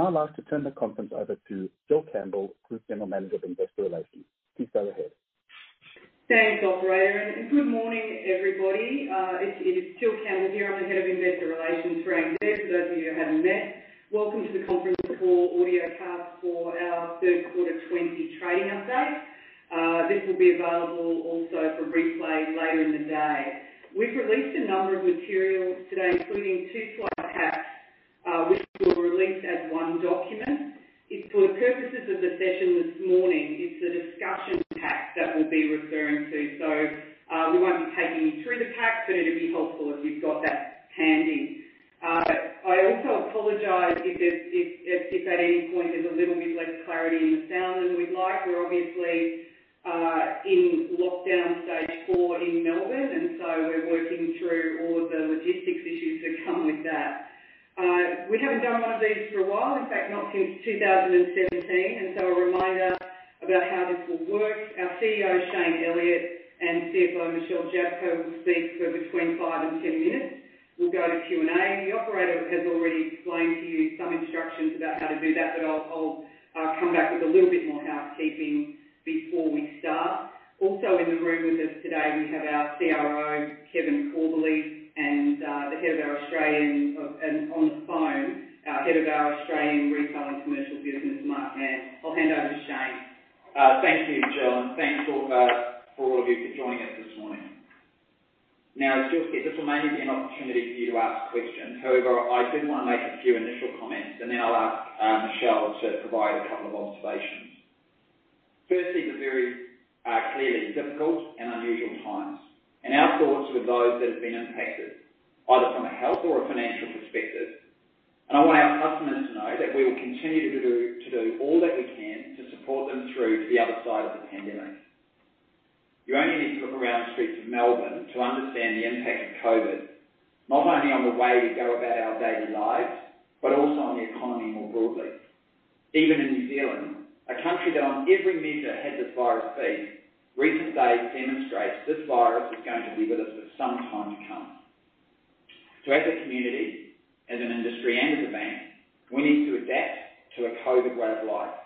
Now I'd like to turn the conference over to Jill Campbell, Group General Manager of Investor Relations. Please go ahead. Thanks, Operator. Good morning, everybody. It is Jill Campbell here. I'm the Head of Investor Relations for ANZ. Glad to see you haven't missed. Welcome to the conference call audio path for our third quarter 2020 trading update. This will be available also for replay later in the day. We've released a number of materials today, including two slide packs, which were released as one document. For the purposes of the session this morning, it's the discussion pack that we'll be referring to. So we won't be taking you through the pack, but it'd be helpful if you've got that handy. I also apologize if at any point there's a little bit less clarity in the sound than we'd like. We're obviously in lockdown stage four in Melbourne, and so we're working through all of the logistics issues that come with that. We haven't done one of these for a while, in fact, not since 2017, and so a reminder about how this will work. Our CEO, Shayne Elliott, and CFO, Michelle Jablko, will speak for between five and 10 minutes. We'll go to Q&A. The operator has already explained to you some instructions about how to do that, but I'll come back with a little bit more housekeeping before we start. Also in the room with us today, we have our CRO, Kevin Corbally, and the Head of our Australian and on the phone, our Head of our Australian retail and commercial business, Mark Hand. I'll hand over to Shayne. Thank you, Jill. Thanks for all of you for joining us this morning. Now, as Jill said, this will mainly be an opportunity for you to ask questions. However, I did want to make a few initial comments, and then I'll ask Michelle to provide a couple of observations. Firstly, these very clearly difficult and unusual times. And our thoughts with those that have been impacted, either from a health or a financial perspective. And I want our customers to know that we will continue to do all that we can to support them through to the other side of the pandemic. You only need to look around the streets of Melbourne to understand the impact of COVID, not only on the way we go about our daily lives, but also on the economy more broadly. Even in New Zealand, a country that on every measure had this virus beat, recent days demonstrates this virus is going to be with us for some time to come. So as a community, as an industry, and as a bank, we need to adapt to a COVID way of life.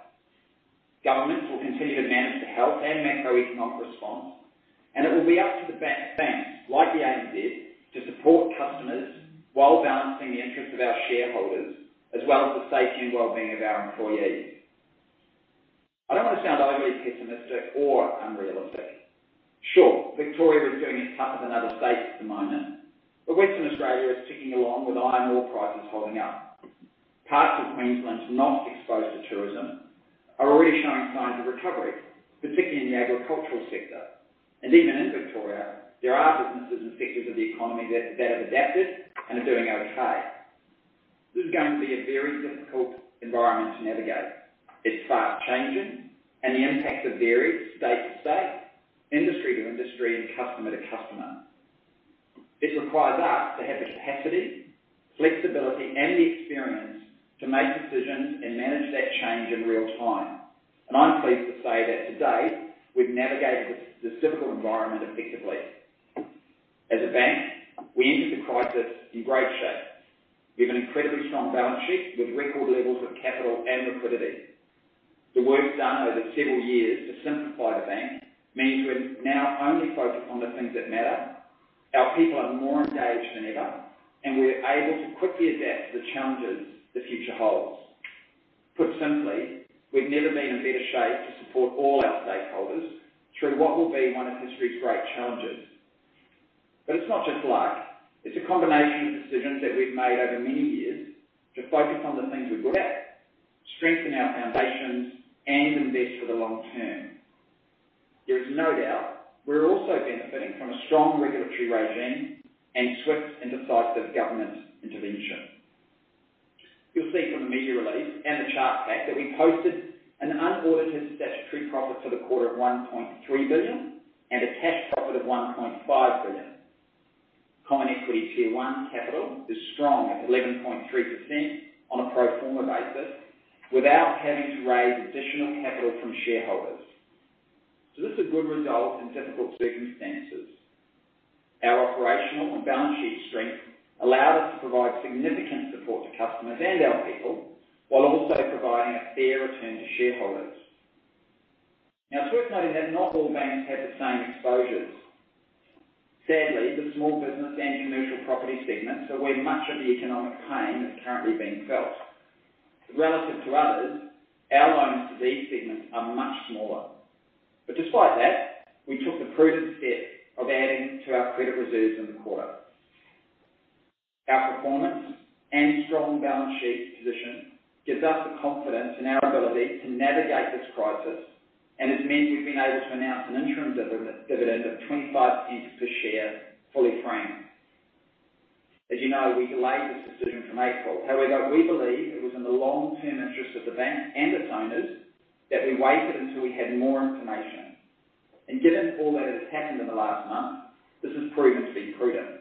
Governments will continue to manage the health and macroeconomic response, and it will be up to the banks, like the ANZ, to support customers while balancing the interests of our shareholders, as well as the safety and well-being of our employees. I don't want to sound overly pessimistic or unrealistic. Sure, Victoria is doing it tougher than other states at the moment, but Western Australia is ticking along with iron ore prices holding up. Parts of Queensland not exposed to tourism are already showing signs of recovery, particularly in the agricultural sector. Even in Victoria, there are businesses and sectors of the economy that have adapted and are doing okay. This is going to be a very difficult environment to navigate. It's fast-changing, and the impacts are varied state to state, industry to industry, and customer to customer. It requires us to have the capacity, flexibility, and the experience to make decisions and manage that change in real time. I'm pleased to say that today we've navigated this difficult environment effectively. As a bank, we entered the crisis in great shape. We have an incredibly strong balance sheet with record levels of capital and liquidity. The work done over several years to simplify the bank means we're now only focused on the things that matter. Our people are more engaged than ever, and we're able to quickly adapt to the challenges the future holds. Put simply, we've never been in better shape to support all our stakeholders through what will be one of history's great challenges. But it's not just luck. It's a combination of decisions that we've made over many years to focus on the things we're good at, strengthen our foundations, and invest for the long term. There is no doubt we're also benefiting from a strong regulatory regime and swift and decisive government intervention. You'll see from the media release and the chart pack that we posted an unaudited statutory profit for the quarter of 1.3 billion and a cash profit of 1.5 billion. Common Equity Tier One capital is strong at 11.3% on a pro forma basis without having to raise additional capital from shareholders. So this is a good result in difficult circumstances. Our operational and balance sheet strength allowed us to provide significant support to customers and our people while also providing a fair return to shareholders. Now, it's worth noting that not all banks have the same exposures. Sadly, the small business and commercial property segments are where much of the economic pain is currently being felt. Relative to others, our loans to these segments are much smaller. But despite that, we took the prudent step of adding to our credit reserves in the quarter. Our performance and strong balance sheet position gives us the confidence in our ability to navigate this crisis, and it means we've been able to announce an interim dividend of 0.25 per share fully franked. As you know, we delayed this decision from April. However, we believe it was in the long-term interest of the bank and its owners that we waited until we had more information. Given all that has happened in the last month, this has proven to be prudent.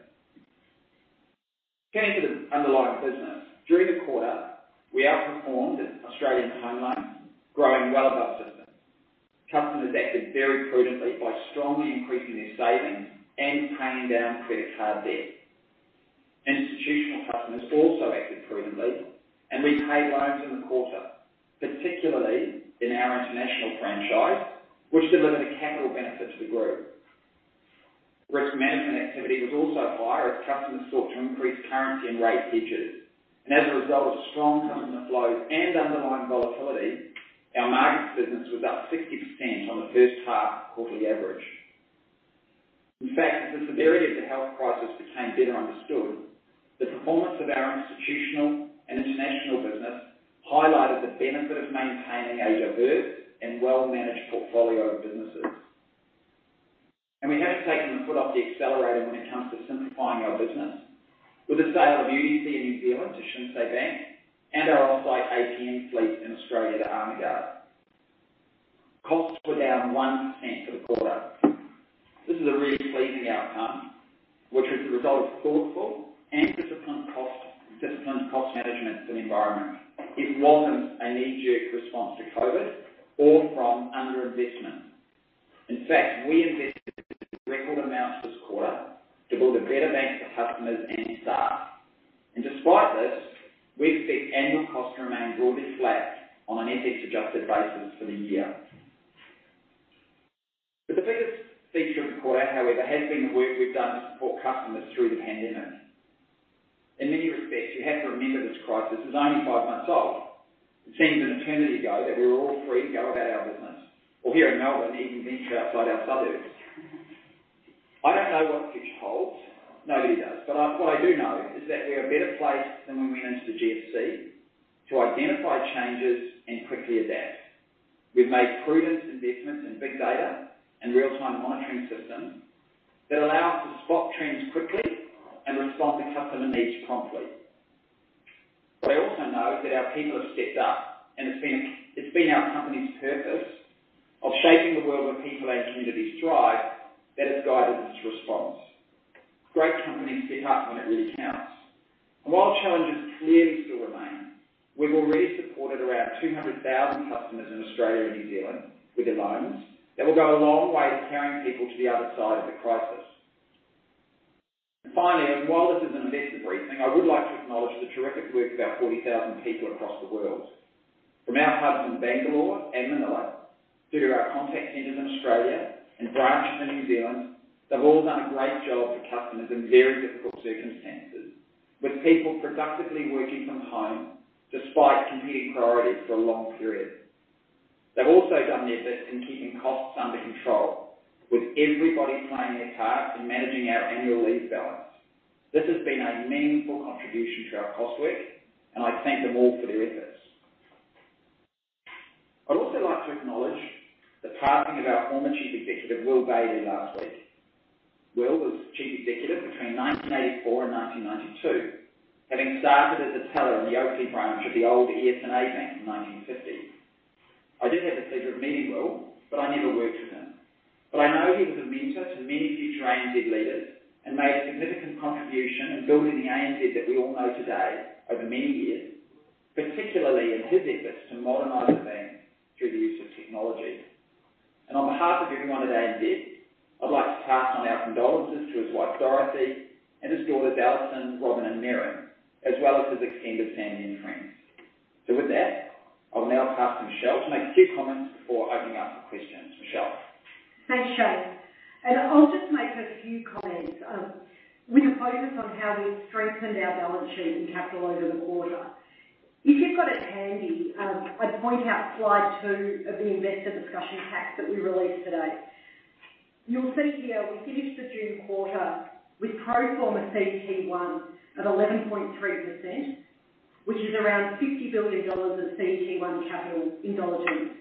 Getting to the underlying business. During the quarter, we outperformed Australian home loans, growing well above system. Customers acted very prudently by strongly increasing their savings and paying down credit card debt. Institutional customers also acted prudently, and repaid loans in the quarter, particularly in our international franchise, which delivered a capital benefit to the group. Risk management activity was also higher as customers sought to increase currency and rate hedges. As a result of strong customer flows and underlying volatility, our market business was up 60% on the first half quarterly average. In fact, as the severity of the health crisis became better understood, the performance of our institutional and international business highlighted the benefit of maintaining a diverse and well-managed portfolio of businesses. And we haven't taken the foot off the accelerator when it comes to simplifying our business, with the sale of UDC in New Zealand to Shinsei Bank and our off-site ATM fleet in Australia to Armaguard. Costs were down 1% for the quarter. This is a really pleasing outcome, which was the result of thoughtful and disciplined cost management for the environment. It wasn't a knee-jerk response to COVID or from underinvestment. In fact, we invested record amounts this quarter to build a better bank for customers and staff. And despite this, we expect annual costs to remain broadly flat on an FX-adjusted basis for the year. But the biggest feature of the quarter, however, has been the work we've done to support customers through the pandemic. In many respects, you have to remember this crisis is only five months old. It seems an eternity ago that we were all free to go about our business, or here in Melbourne, even venture outside our suburbs. I don't know what the future holds. Nobody does. But what I do know is that we are better placed than when we went into the GFC to identify changes and quickly adapt. We've made prudent investments in big data and real-time monitoring systems that allow us to spot trends quickly and respond to customer needs promptly. But I also know that our people have stepped up, and it's been our company's purpose of shaping the world where people and communities thrive that has guided this response. Great companies step up when it really counts. And while challenges clearly still remain, we've already supported around 200,000 customers in Australia and New Zealand with their loans that will go a long way to carrying people to the other side of the crisis. And finally, and while this is an investor briefing, I would like to acknowledge the terrific work of our 40,000 people across the world. From our hubs in Bangalore and Manila, through to our contact centers in Australia and branches in New Zealand, they've all done a great job for customers in very difficult circumstances, with people productively working from home despite competing priorities for a long period. They've also done their best in keeping costs under control, with everybody playing their part in managing our annual leave balance. This has been a meaningful contribution to our cost work, and I thank them all for their efforts. I'd also like to acknowledge the passing of our former Chief Executive, Will Bailey, last week. Will was Chief Executive between 1984 and 1992, having started as a teller in the Oakleigh branch of the old ES&A Bank from 1950. I did have the pleasure of meeting Will, but I never worked with him, but I know he was a mentor to many future ANZ leaders and made a significant contribution in building the ANZ that we all know today over many years, particularly in his efforts to modernize the bank through the use of technology, and on behalf of everyone at ANZ, I'd like to pass on our condolences to his wife, Dorothy, and his daughters, Alison, Robyn, and Merryn, as well as his extended family and friends. So with that, I'll now pass to Michelle to make a few comments before opening up for questions. Michelle. Thanks, Shayne. I'll just make a few comments. We're focused on how we've strengthened our balance sheet and capital over the quarter. If you've got it handy, I'd point out slide two of the investor discussion pack that we released today. You'll see here we finished the June quarter with pro forma CET1 of 11.3%, which is around 50 billion dollars of CET1 capital indulgence. This means in a pro forma sense,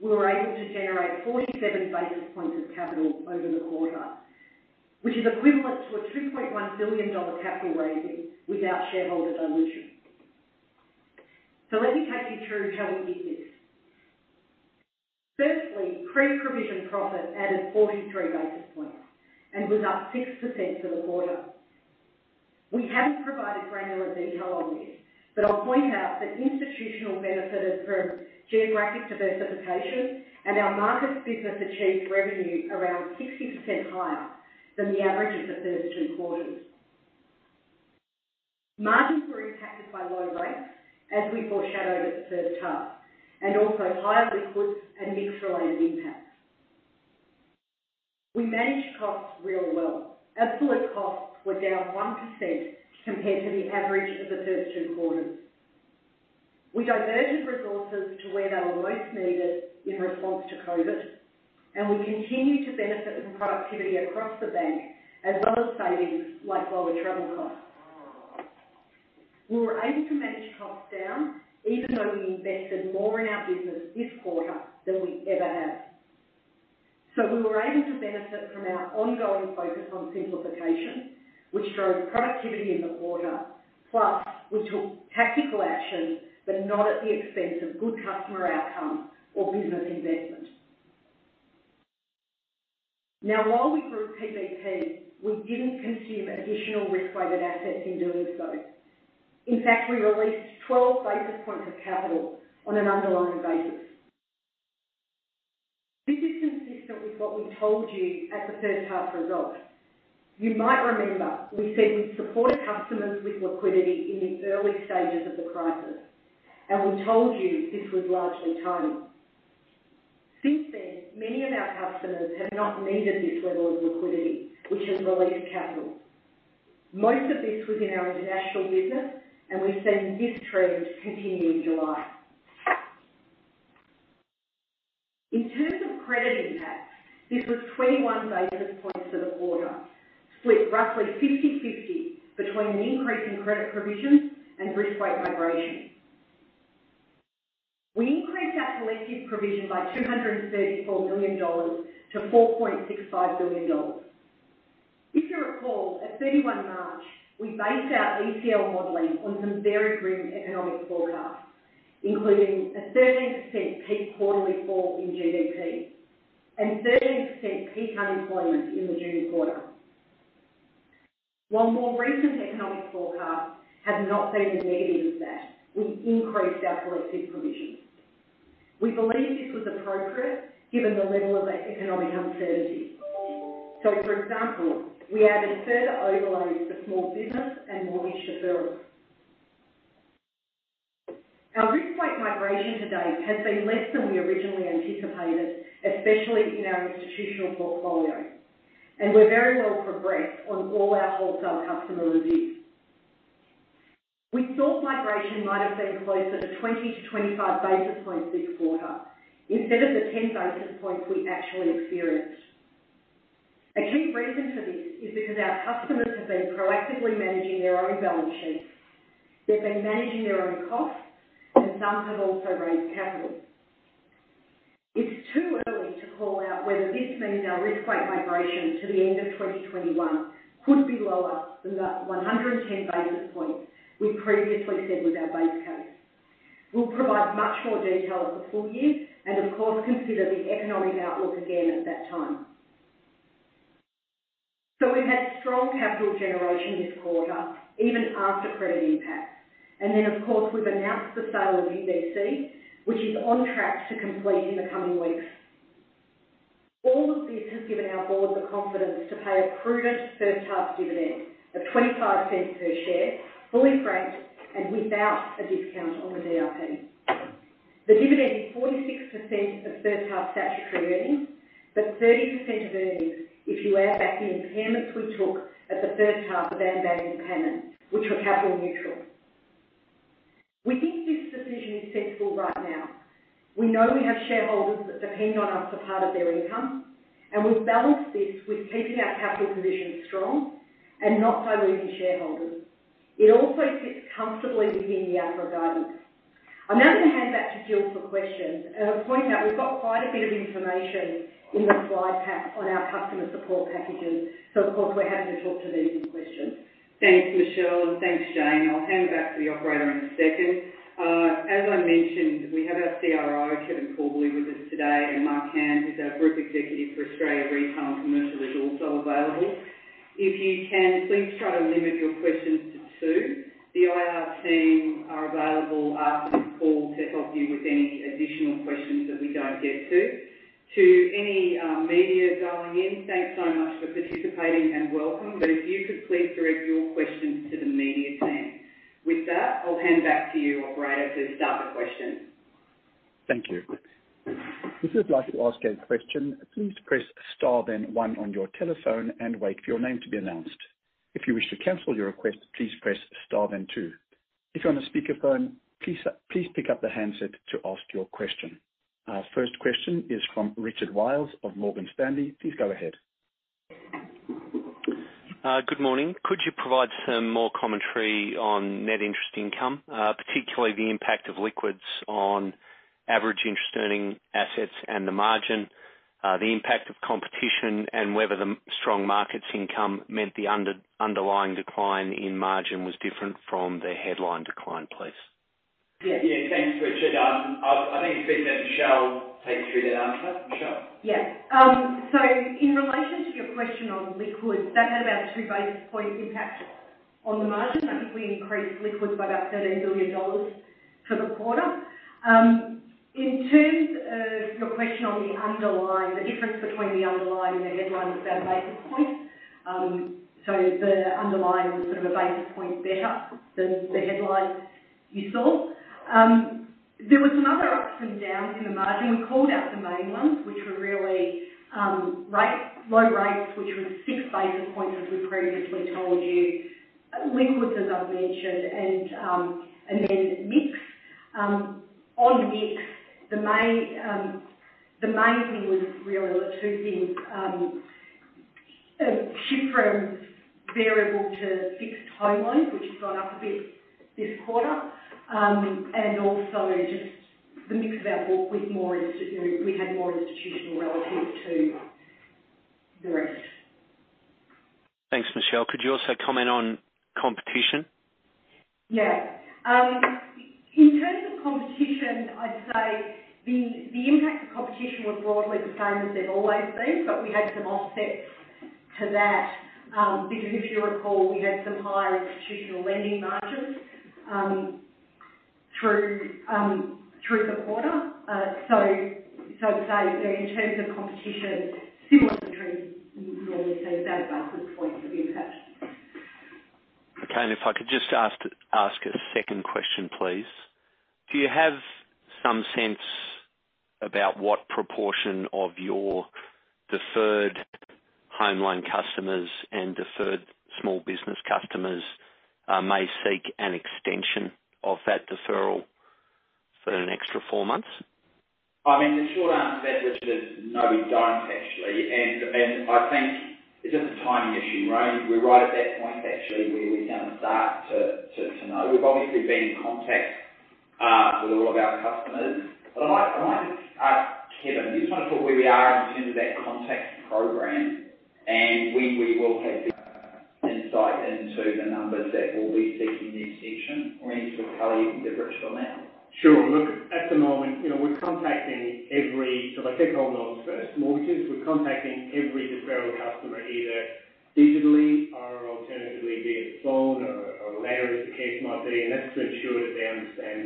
we were able to generate 47 basis points of capital over the quarter, which is equivalent to a 2.1 billion dollar capital raising without shareholder dilution. Let me take you through how we did this. Firstly, pre-provision profit added 43 basis points and was up 6% for the quarter. We haven't provided granular detail on this, but I'll point out that institutional banking has driven geographic diversification, and our Markets business achieved revenue around 60% higher than the average of the first two quarters. Margins were impacted by low rates, as we foreshadowed at the first half, and also higher liquidity and market-related impacts. We managed costs really well. Absolute costs were down 1% compared to the average of the first two quarters. We diverted resources to where they were most needed in response to COVID, and we continue to benefit from productivity across the bank, as well as savings like lower travel costs. We were able to manage costs down, even though we invested more in our business this quarter than we ever have. So we were able to benefit from our ongoing focus on simplification, which drove productivity in the quarter. Plus, we took tactical action, but not at the expense of good customer outcomes or business investment. Now, while we grew PBP, we didn't consume additional risk-weighted assets in doing so. In fact, we released 12 basis points of capital on an underlying basis. This is consistent with what we told you at the first half result. You might remember we said we supported customers with liquidity in the early stages of the crisis, and we told you this was largely timing. Since then, many of our customers have not needed this level of liquidity, which has released capital. Most of this was in our international business, and we've seen this trend continue in July. In terms of credit impact, this was 21 basis points for the quarter, split roughly 50/50 between an increase in credit provision and risk-weight migration. We increased our collective provision by AUD 234 million to AUD 4.65 billion. If you recall, at 31 March, we based our ECL modelling on some very grim economic forecasts, including a 13% peak quarterly fall in GDP and 13% peak unemployment in the June quarter. While more recent economic forecasts have not been as negative as that, we increased our collective provision. We believe this was appropriate given the level of economic uncertainty. So, for example, we added further overlays for small business and mortgage deferrals. Our risk-weight migration to date has been less than we originally anticipated, especially in our institutional portfolio, and we're very well progressed on all our wholesale customer reviews. We thought migration might have been closer to 20 to 25 basis points this quarter instead of the 10 basis points we actually experienced. A key reason for this is because our customers have been proactively managing their own balance sheets. They've been managing their own costs, and some have also raised capital. It's too early to call out whether this means our risk-weight migration to the end of 2021 could be lower than that 110 basis points we previously said was our base case. We'll provide much more detail for the full year and, of course, consider the economic outlook again at that time. So we've had strong capital generation this quarter, even after credit impacts. And then, of course, we've announced the sale of UDC, which is on track to complete in the coming weeks. All of this has given our board the confidence to pay a prudent first-half dividend of 0.25 per share, fully franked, and without a discount on the DRP. The dividend is 46% of first-half statutory earnings, but 30% of earnings if you add back the impairments we took at the first half of ANZ's payments, which were capital neutral. We think this decision is sensible right now. We know we have shareholders that depend on us for part of their income, and we've balanced this with keeping our capital positions strong and not diluting shareholders. It also sits comfortably within the upper guidance. I'm now going to hand back to Jill for questions. I'll point out we've got quite a bit of information in the slide pack on our customer support packages, so, of course, we're happy to talk to them in questions. Thanks, Michelle, and thanks, Shayne. I'll hand back to the operator in a second. As I mentioned, we have our CRO, Kevin Corbally, with us today, and Mark Hand, who's our Group Executive for Australia Retail and Commercial, is also available. If you can, please try to limit your questions to two. The IR team are available after this call to help you with any additional questions that we don't get to. To any media going in, thanks so much for participating and welcome, but if you could please direct your questions to the media team. With that, I'll hand back to you, operator, to start the questions. Thank you. If you'd like to ask a question, please press Star then One on your telephone and wait for your name to be announced. If you wish to cancel your request, please press Star then Two. If you're on a speakerphone, please pick up the handset to ask your question. Our first question is from Richard Wiles of Morgan Stanley. Please go ahead. Good morning. Could you provide some more commentary on net interest income, particularly the impact of liquidity on average interest-earning assets and the margin, the impact of competition, and whether the strong markets income meant the underlying decline in margin was different from the headline decline, please? Yeah, thanks, Richard. I think it's best that Michelle takes through that answer. Michelle? Yeah. So in relation to your question on liquids, that had about a two basis point impact on the margin. I think we increased liquids by about 13 billion dollars for the quarter. In terms of your question on the underlying, the difference between the underlying and the headline was about a basis point. So the underlying was sort of a basis point better than the headline you saw. There were some other ups and downs in the margin. We called out the main ones, which were really low rates, which was six basis points, as we previously told you. Liquids, as I've mentioned, and then mix. On mix, the main thing was really the two things: shift from variable to fixed home loans, which has gone up a bit this quarter, and also just the mix of our book with more institutional relative to the rest. Thanks, Michelle. Could you also comment on competition? Yeah. In terms of competition, I'd say the impact of competition was broadly the same as they've always been, but we had some offsets to that because, if you recall, we had some higher institutional lending margins through the quarter. So I'd say in terms of competition, similar to what you normally see, about a basis point of impact. Okay, and if I could just ask a second question, please. Do you have some sense about what proportion of your deferred home loan customers and deferred small business customers may seek an extension of that deferral for an extra four months? I mean, the short answer to that, Richard, is no, we don't, actually. And I think it's just a timing issue, right? We're right at that point, actually, where we can start to know. We've obviously been in contact with all of our customers. But I might just ask Kevin, do you just want to talk where we are in terms of that contact program and when we will have insight into the numbers that we'll be seeking next section? Or are you sort of Kevin? You can get Richard on that. Sure. Look, at the moment, we're contacting every, so if I take home loans first, mortgages, we're contacting every deferral customer either digitally or alternatively via phone or letter, as the case might be. And that's to ensure that they understand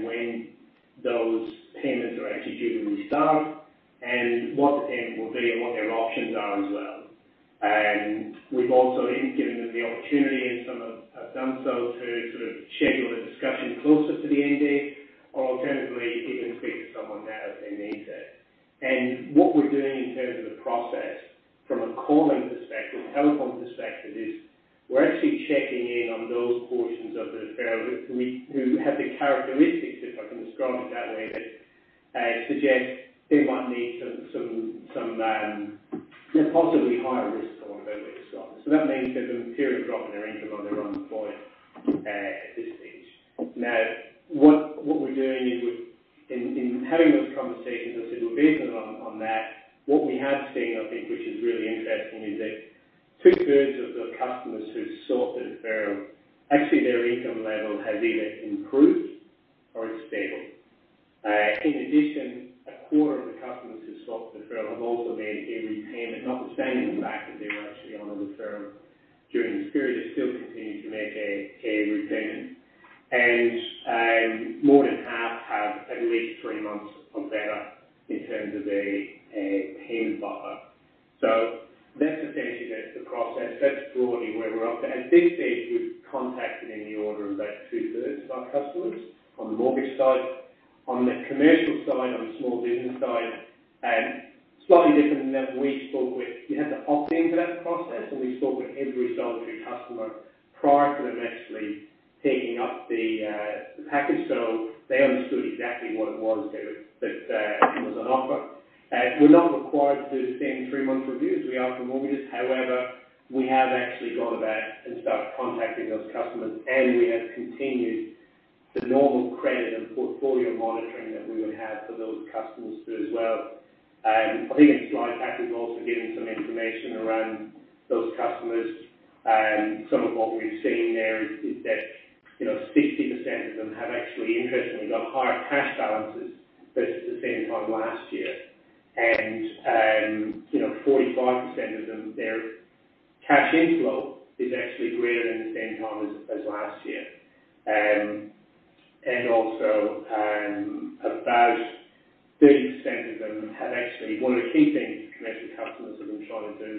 30% of them have actually one of the key things commercial customers have been trying to do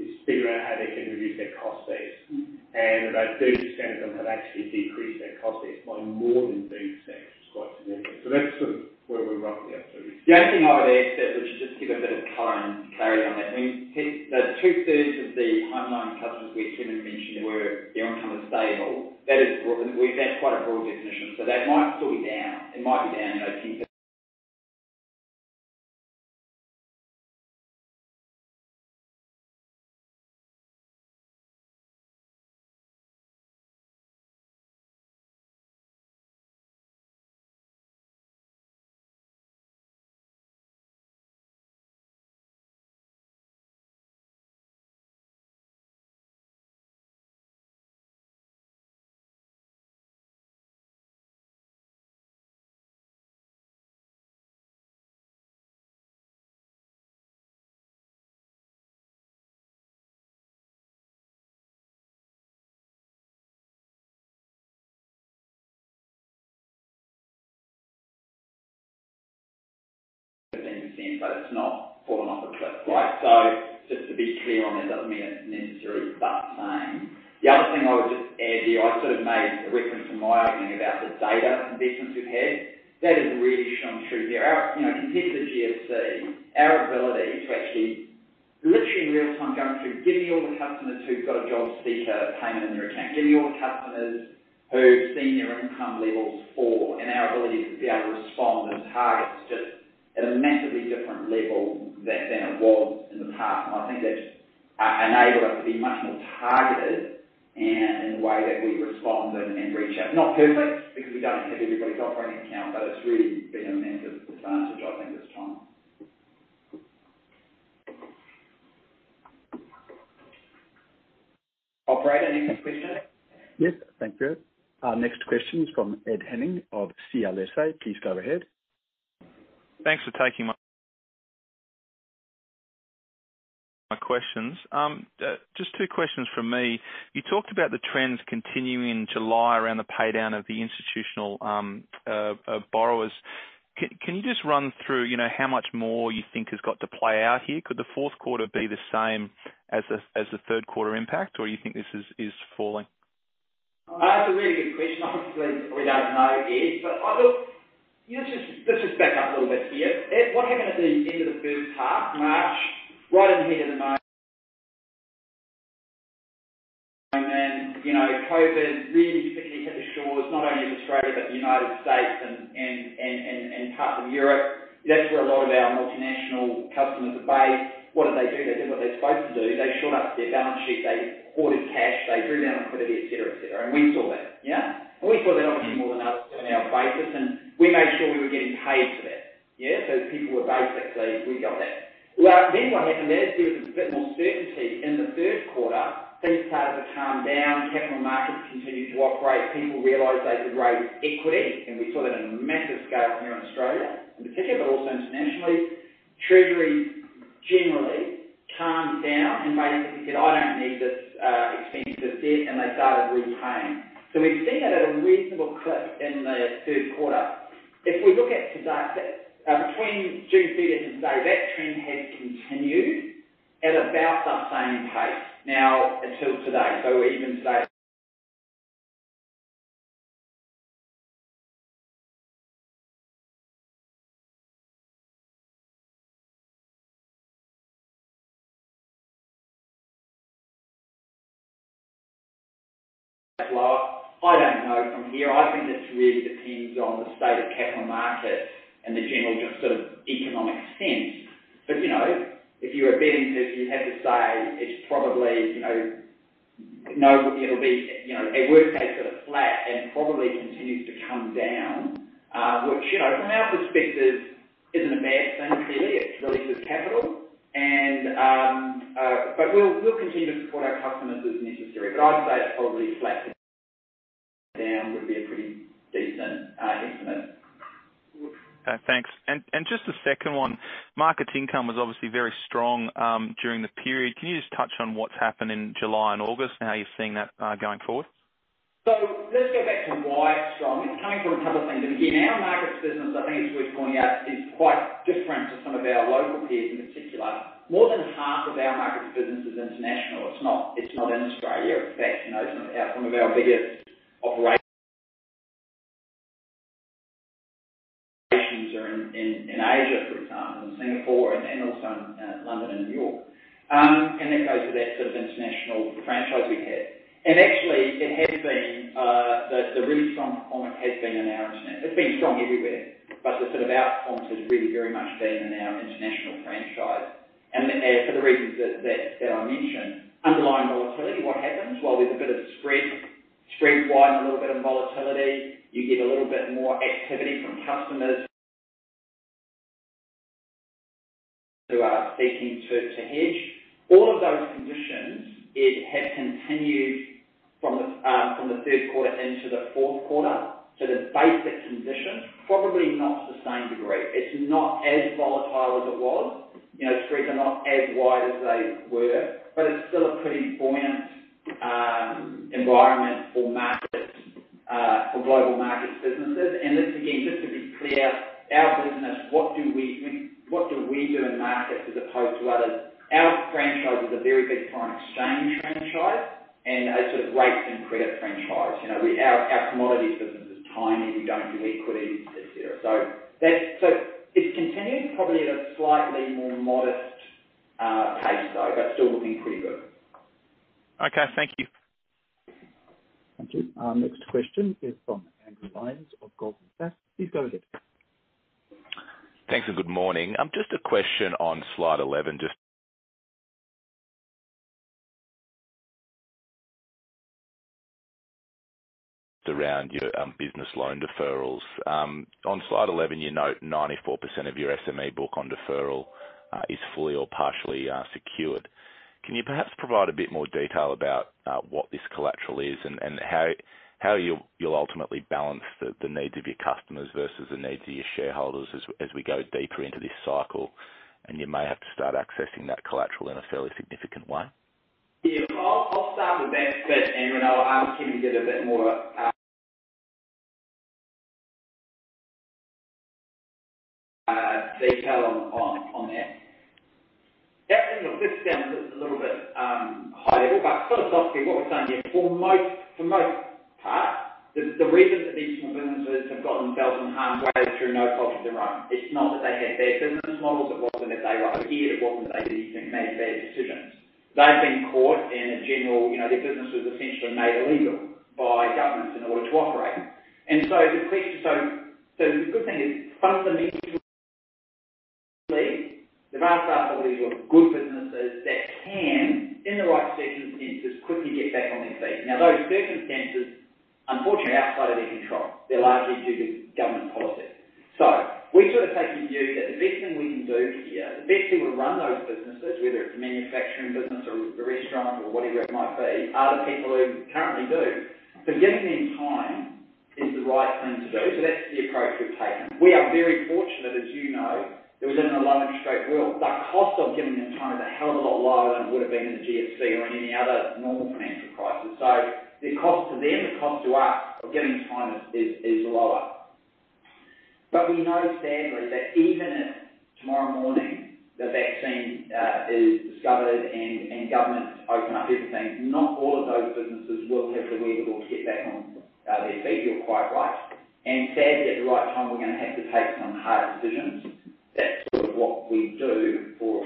is figure out how they can reduce their cost base. About 30% of them have actually decreased their cost base by more than 30%, which is quite significant. That's sort of where we're roughly up to. The only thing I would add, Richard, just to give a bit of color and clarity on that, I mean, two-thirds of the home loan customers we've seen and mentioned where their income is stable, that is broad. We've had quite a broad definition, so that might still be down. It might be down 18%. Things seemed like it's not fallen off a cliff, right? So just to be clear on that, that doesn't mean it's necessarily about the same. The other thing I would just add here, I sort of made a reference in my opening about the data investments we've had. That has really shown through here. Compared to the GFC, our ability to actually literally in real time go through, "Give me all the customers who've got a JobSeeker payment in their account. Give me all the customers who've seen their income levels fall," and our ability to be able to respond and target is just at a massively different level than it was in the past, and I think that's enabled us to be much more targeted in the way that we respond and reach out. Not perfect because we don't have everybody's operating account, but it's really been a massive advantage, I think, this time. Operator, next question. Yes, thank you. Next question is from Ed Henning of CLSA. Please go ahead. Thanks for taking my questions. Just two questions from me. You talked about the trends continuing in July around the paydown of the institutional borrowers. Can you just run through how much more you think has got to play out here? Could the fourth quarter be the same as the third quarter impact, or do you think this is falling? That's a really good question. Obviously, we don't know yet. But let's just back up a little bit here. What happened at the end of the first half, March, right in the heat of the moment, COVID really quickly hit the shores, not only of Australia but the United States and parts of Europe. That's where a lot of our multinational customers are based. What did they do? They did what they're supposed to do. They shot up their balance sheet. They hoarded cash. They drew down liquidity, etc., etc. And we saw that, yeah? And we saw that, obviously, more than others on our basis. And we made sure we were getting paid for that, yeah? So people were basically we got that. Then what happened there is there was a bit more certainty in the third quarter. Things started to calm down. Capital markets continued to operate. People realized they could raise equity. And we saw that on a massive scale here in Australia in particular, but also internationally. Treasuries generally calmed down and basically said, "I don't need this expensive debt," and they started repaying. So we've seen that at a reasonable clip in the third quarter. If we look at today, between June 30th and today, that trend has continued at about the same pace now until today. So even today. I don't know from here. I think it really depends on the state of capital markets and the general just sort of economic sense. But if you're a betting person, you'd have to say it's probably no, it'll be a worst case of a flat and probably continues to come down, which from our perspective isn't a bad thing, really. It releases capital. But we'll continue to support our customers as necessary. But I'd say it's probably flat down would be a pretty decent estimate. Thanks. And just a second one. Market income was obviously very strong during the period. Can you just touch on what's happened in July and August and how you're seeing that going forward? Let's go back to why it's strong. It's coming from a couple of things. And again, our markets business, I think it's worth pointing out, is quite different to some of our local peers in particular. More than half of our markets business is international. It's not in Australia. In fact, some of our biggest operations are in Asia, for example, in Singapore and also in London and New York. And that goes to that sort of international franchise we've had. And actually, the really strong performance has been in our international franchise. It's been strong everywhere. But sort of our performance has really very much been in our international franchise. And for the reasons that I mentioned, underlying volatility, what happens? Well, there's a bit of spread widening a little bit in volatility. You get a little bit more activity from customers who are seeking to hedge. All of those conditions have continued from the third quarter into the fourth quarter. So the basic conditions, probably not to the same degree. It's not as volatile as it was. Spreads are not as wide as they were, but it's still a pretty buoyant environment for global markets businesses. And again, just to be clear, our business, what do we do in markets as opposed to others? Our franchise is a very big foreign exchange franchise and a sort of rates and credit franchise. Our commodities business is tiny. We don't do equity, etc. So it's continued, probably at a slightly more modest pace, though, but still looking pretty good. Okay. Thank you. Thank you. Our next question is from Andrew Lyons of Goldman Sachs. Please go ahead. Thanks. Good morning. Just a question on slide 11 just around your business loan deferrals. On slide 11, you note 94% of your SME book on deferral is fully or partially secured. Can you perhaps provide a bit more detail about what this collateral is and how you'll ultimately balance the needs of your customers versus the needs of your shareholders as we go deeper into this cycle and you may have to start accessing that collateral in a fairly significant way? Yeah. I'll start with that, Andrew. And I'll ask him to get a bit more detail on that. Yeah. Look, this sounds a little bit high level. But philosophically, what we're saying here, for the most part, the reason that these small businesses have got themselves in harm's way is through no fault of their own. It's not that they had bad business models. It wasn't that they were overheated. It wasn't that they didn't make bad decisions. They've been caught in general. Their business was essentially made illegal by governments in order to operate. And so the question, the good thing is, fundamentally, the vast majority of good businesses that can, in the right circumstances, quickly get back on their feet. Now, those circumstances, unfortunately, are outside of their control. They're largely due to government policy. So we sort of take in view that the best thing we can do here, the best thing to run those businesses, whether it's a manufacturing business or a restaurant or whatever it might be, are the people who currently do. So giving them time is the right thing to do. So that's the approach we've taken. We are very fortunate, as you know, that we live in a low interest rate world. The cost of giving them time is a hell of a lot lower than it would have been in the GFC or in any other normal financial crisis. So the cost to them, the cost to us of giving time is lower. But we know, sadly, that even if tomorrow morning the vaccine is discovered and governments open up everything, not all of those businesses will have the wherewithal to get back on their feet. You're quite right, and sadly, at the right time, we're going to have to take some hard decisions. That's sort of what we do for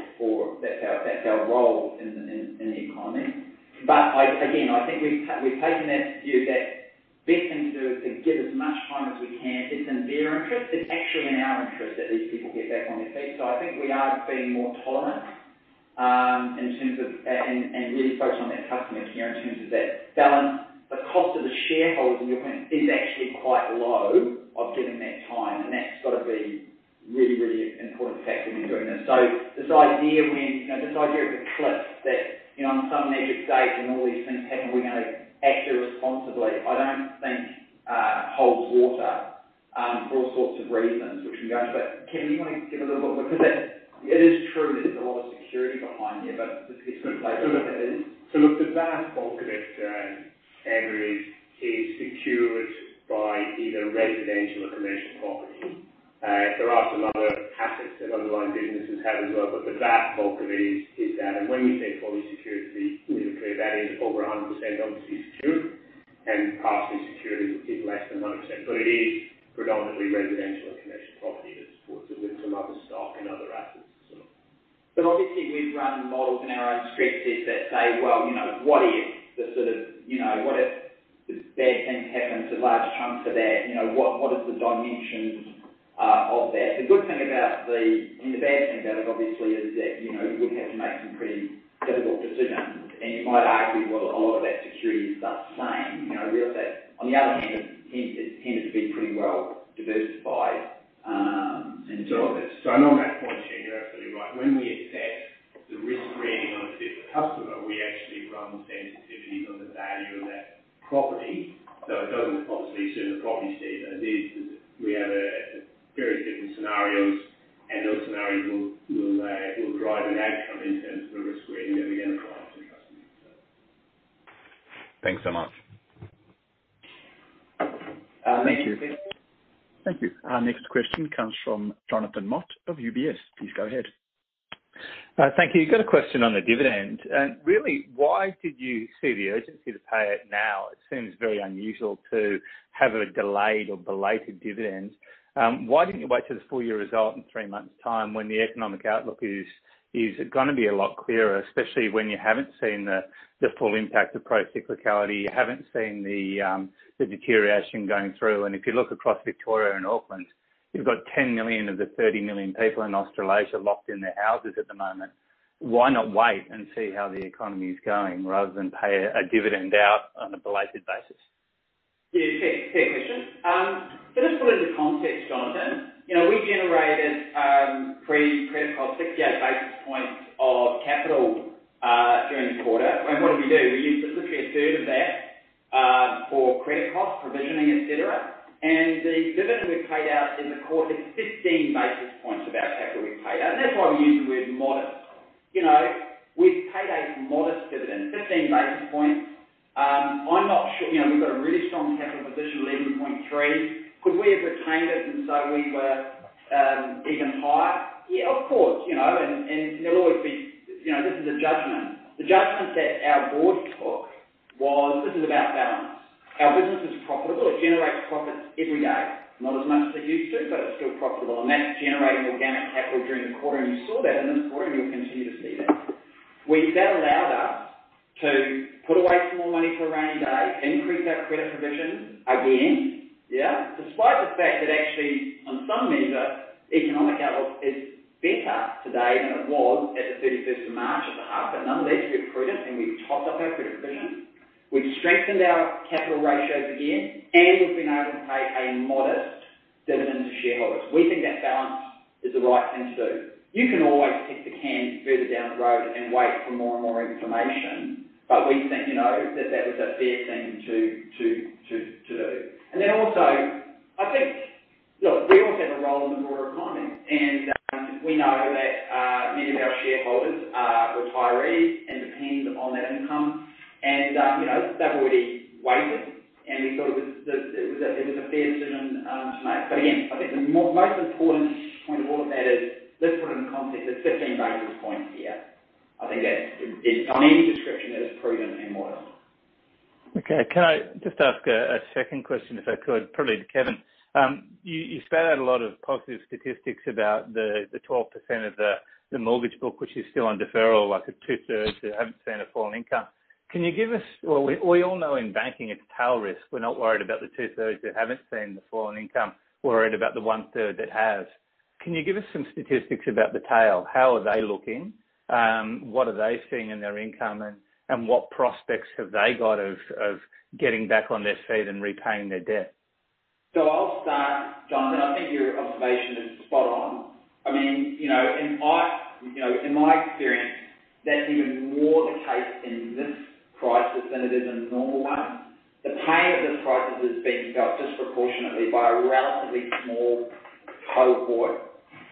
that's our role in the economy. But again, I think we've taken that view that the best thing to do is to give as much time as we can. It's in their interest. It's actually in our interest that these people get back on their feet, so I think we are being more tolerant in terms of and really focus on that customer care in terms of that balance. The cost of the shareholders, in your point, is actually quite low of giving that time, and that's got to be really, really important factor when doing this. So this idea of the cliff that on some magic days when all these things happen, we're going to act irresponsibly, I don't think holds water for all sorts of reasons, which we can go into. But Kevin, do you want to give a little bit more? Because it is true that there's a lot of security behind here, but it's good to play with what that is. So look, the vast bulk of SME, Andrew, is secured by either residential or commercial property. There are some other assets that underlying businesses have as well. But the vast bulk of it is that. And when we say fully secured, the majority of that is over 100%, obviously secured. And partially secured is less than 100%. But it is predominantly residential and commercial property that supports it with some other stock and other assets. Obviously, we've run models in our own scripts here that say, "Well, what if what if the bad things happen to large chunks of that? What is the dimensions of that?" The good thing about and the bad thing about it, obviously, is that you would have to make some pretty difficult decisions. And you might argue, "Well, a lot of that security is the same." Real estate, on the other hand, has tended to be pretty well diversified. So I'm on that point here. You're absolutely right. When we assess the risk rating of a particular customer, we actually run sensitivities on the value of that property. So it doesn't obviously assume the property stays as is. We have various different scenarios. And those scenarios will drive an outcome in terms of the risk rating that we're going to apply to customers. Thanks so much. Thank you. Thank you. Our next question comes from Jonathan Mott of UBS. Please go ahead. Thank you. Got a question on the dividend. Really, why did you see the urgency to pay it now? It seems very unusual to have a delayed or belated dividend. Why didn't you wait to the full year result in three months' time when the economic outlook is going to be a lot clearer, especially when you haven't seen the full impact of procyclicality, you haven't seen the deterioration going through? And if you look across Victoria and Auckland, you've got 10 million of the 30 million people in Australasia locked in their houses at the moment. Why not wait and see how the economy is going rather than pay a dividend out on a belated basis? Yeah. Fair question. So let's put it into context, Jonathan. We generated pre-credit cost 68 basis points of capital during the quarter. And what did we do? We used literally a third of that for credit costs, provisioning, etc. And the dividend we paid out in the quarter is 15 basis points of our capital we paid out. And that's why we use the word modest. We paid a modest dividend, 15 basis points. I'm not sure. We've got a really strong capital position, 11.3. Could we have retained it and so we were even higher? Yeah, of course. And there'll always be this is a judgment. The judgment that our board took was, "This is about balance. Our business is profitable. It generates profits every day. Not as much as it used to, but it's still profitable." And that's generating organic capital during the quarter. You saw that in this quarter, and you'll continue to see that. That allowed us to put away some more money for a rainy day, increase our credit provision again, yeah, despite the fact that actually, on some measure, economic outlook is better today than it was at the 31st of March at the half. But nonetheless, we've been prudent, and we've topped up our credit provision. We've strengthened our capital ratios again, and we've been able to pay a modest dividend to shareholders. We think that balance is the right thing to do. You can always kick the can further down the road and wait for more and more information. But we think that that was a fair thing to do. And then also, I think look, we also have a role in the broader economy. And we know that many of our shareholders are retirees and depend on that income. And they've already waited. And we thought it was a fair decision to make. But again, I think the most important point of all of that is, let's put it in context, it's 15 basis points here. I think that on any description, it is prudent and modest. Okay. Can I just ask a second question, if I could? Probably to Kevin. You spat out a lot of positive statistics about the 12% of the mortgage book, which is still on deferral, like a two-thirds that haven't seen a fall in income. Can you give us, well, we all know in banking it's tail risk. We're not worried about the two-thirds that haven't seen the fall in income. We're worried about the one-third that has. Can you give us some statistics about the tail? How are they looking? What are they seeing in their income? And what prospects have they got of getting back on their feet and repaying their debt? I'll start, Jonathan. I think your observation is spot on. I mean, in my experience, that's even more the case in this crisis than it is in normal ones. The pain of this crisis is being felt disproportionately by a relatively small cohort,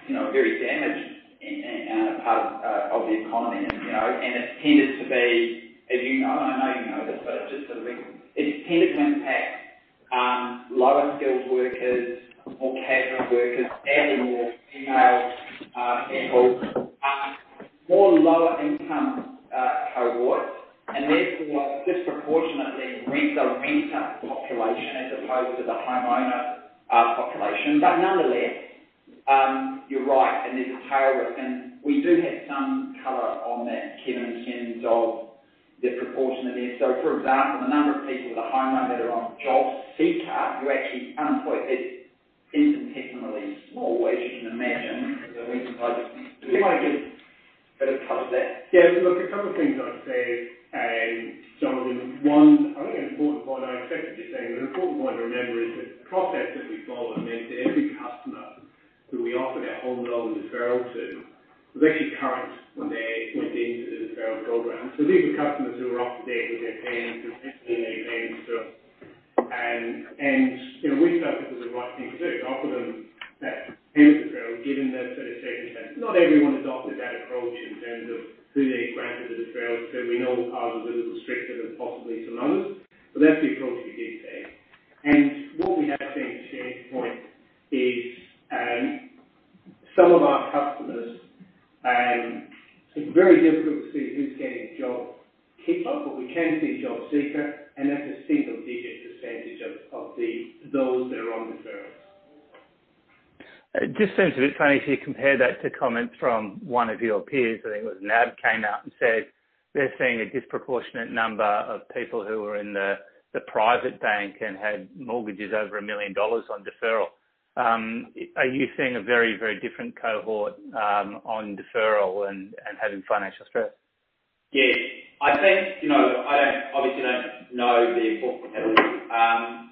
very damaged part of the economy. And it's tended to be as you know and I know you know this, but it's just sort of it's tended to impact lower-skilled workers, more casual workers, sadly more female people, more lower-income cohorts, and therefore disproportionately the renter population as opposed to the homeowner population. But nonetheless, you're right. And there's a tail risk. And we do have some color on that, Kevin, any sense of the proportion of this. So for example, the number of people with a homeowners that are on JobSeeker, who are actually unemployed, is infinitesimally small, as you can imagine. The reasons I just. You might give a bit of cover to that. Yeah. Look, a couple of things I'd say. it's a bit funny to compare that to comments from one of your peers. I think it was NAB came out and said they're seeing a disproportionate number of people who were in the Private bBank and had mortgages over 1 million dollars on deferral. Are you seeing a very, very different cohort on deferral and having financial stress? Yeah. I think I obviously don't know the important comparisons. But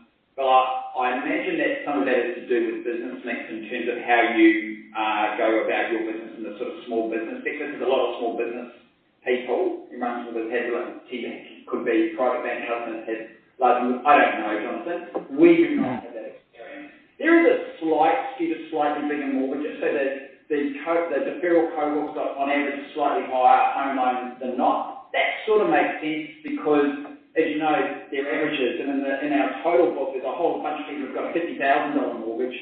I imagine that some of that is to do with business making in terms of how you go about your business in the sort of small business sector. There's a lot of small business people who run some of those debts through Private Bank. It could be Private Bank customers had large. I don't know, Jonathan. We do not have that experience. There is a slight skew to slightly bigger mortgages. So the deferral cohorts are on average slightly higher home loans than not. That sort of makes sense because, as you know, they're averages. And in our total book, there's a whole bunch of people who've got a 50,000 dollar mortgage,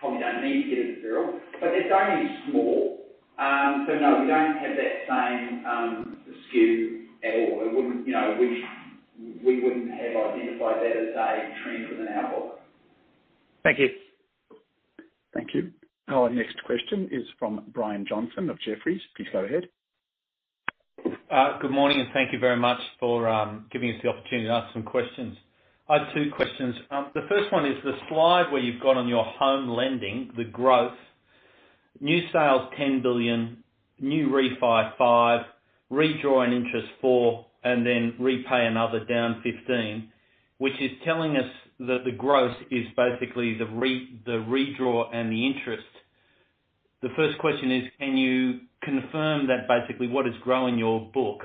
probably don't need to get a deferral. But they're only small. So no, we don't have that same skew at all. We wouldn't have identified that as a trend within our book. Thank you. Thank you. Our next question is from Brian Johnson of Jefferies. Please go ahead. Good morning, and thank you very much for giving us the opportunity to ask some questions. I have two questions. The first one is the slide where you've got on your home lending, the growth. New sales 10 billion, new refi 5 billion, redraw and interest 4 billion, and then repay another down 15, which is telling us that the growth is basically the redraw and the interest. The first question is, can you confirm that basically what is growing your book?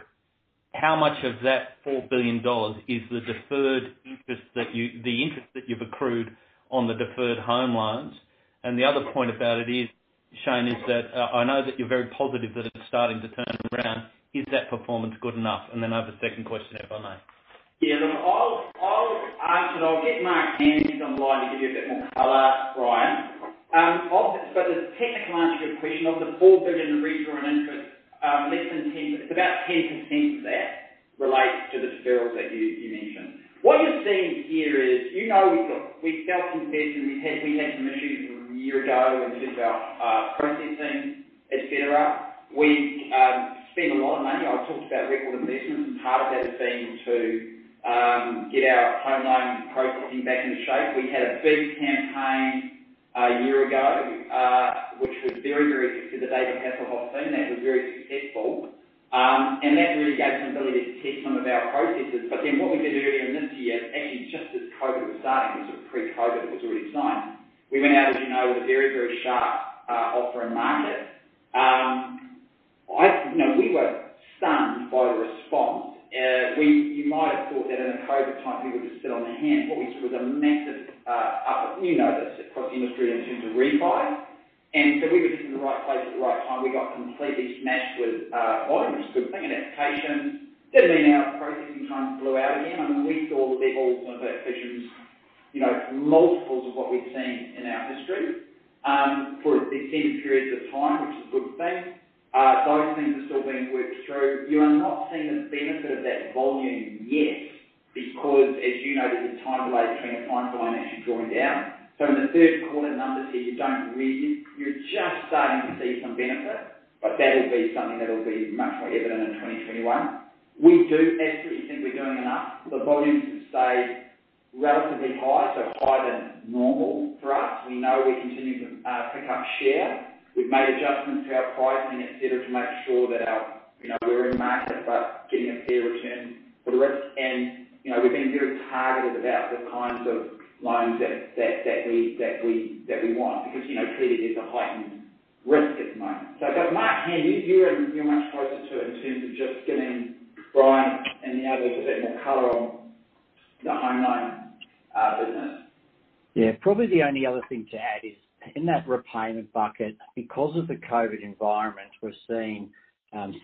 How much of that 4 billion dollars is the deferred interest that you've accrued on the deferred home loans? And the other point about it is, Shayne, is that I know that you're very positive that it's starting to turn around. Is that performance good enough? And then I have a second question if I may. Yeah. Look, I'll answer. I'll get my hands online to give you a bit more color, Brian. But the technical answer to your question of the 4 billion redraw and interest, it's about 10% of that relates to the deferrals that you mentioned. What you're seeing here is we felt confident. We had some issues a year ago in terms of our processing, etc. We spend a lot of money. I've talked about record investments. And part of that has been to get our home loan processing back into shape. We had a big campaign a year ago, which was very, very successful. The David Hasselhoff thing. That was very successful. And that really gave us an ability to test some of our processes. Then what we did earlier in this year, actually just as COVID was starting, it was sort of pre-COVID, it was already signed, we went out, as you know, with a very, very sharp offer in market. We were stunned by the response. You might have thought that in a COVID time, people would just sit on their hands. What we saw was a massive uptake, you know, this across the industry in terms of refi. So we were just in the right place at the right time. We got completely smashed with volume, which is a good thing. And applications did mean our processing times blew out again. I mean, we saw levels of applications, multiples of what we've seen in our history for extended periods of time, which is a good thing. Those things are still being worked through. You are not seeing the benefit of that volume yet because, as you know, there's a time delay between the time the loan actually drawing down, so in the third quarter numbers here, you're just starting to see some benefit, but that'll be something that'll be much more evident in 2021. We do absolutely think we're doing enough. The volumes have stayed relatively high, so higher than normal for us. We know we continue to pick up share. We've made adjustments to our pricing, etc., to make sure that we're in market but getting a fair return for the risk, and we've been very targeted about the kinds of loans that we want because clearly there's a heightened risk at the moment, so I've got Mark here. You're much closer to it in terms of just giving Brian and the others a bit more color on the home loan business. Yeah. Probably the only other thing to add is in that repayment bucket, because of the COVID environment, we're seeing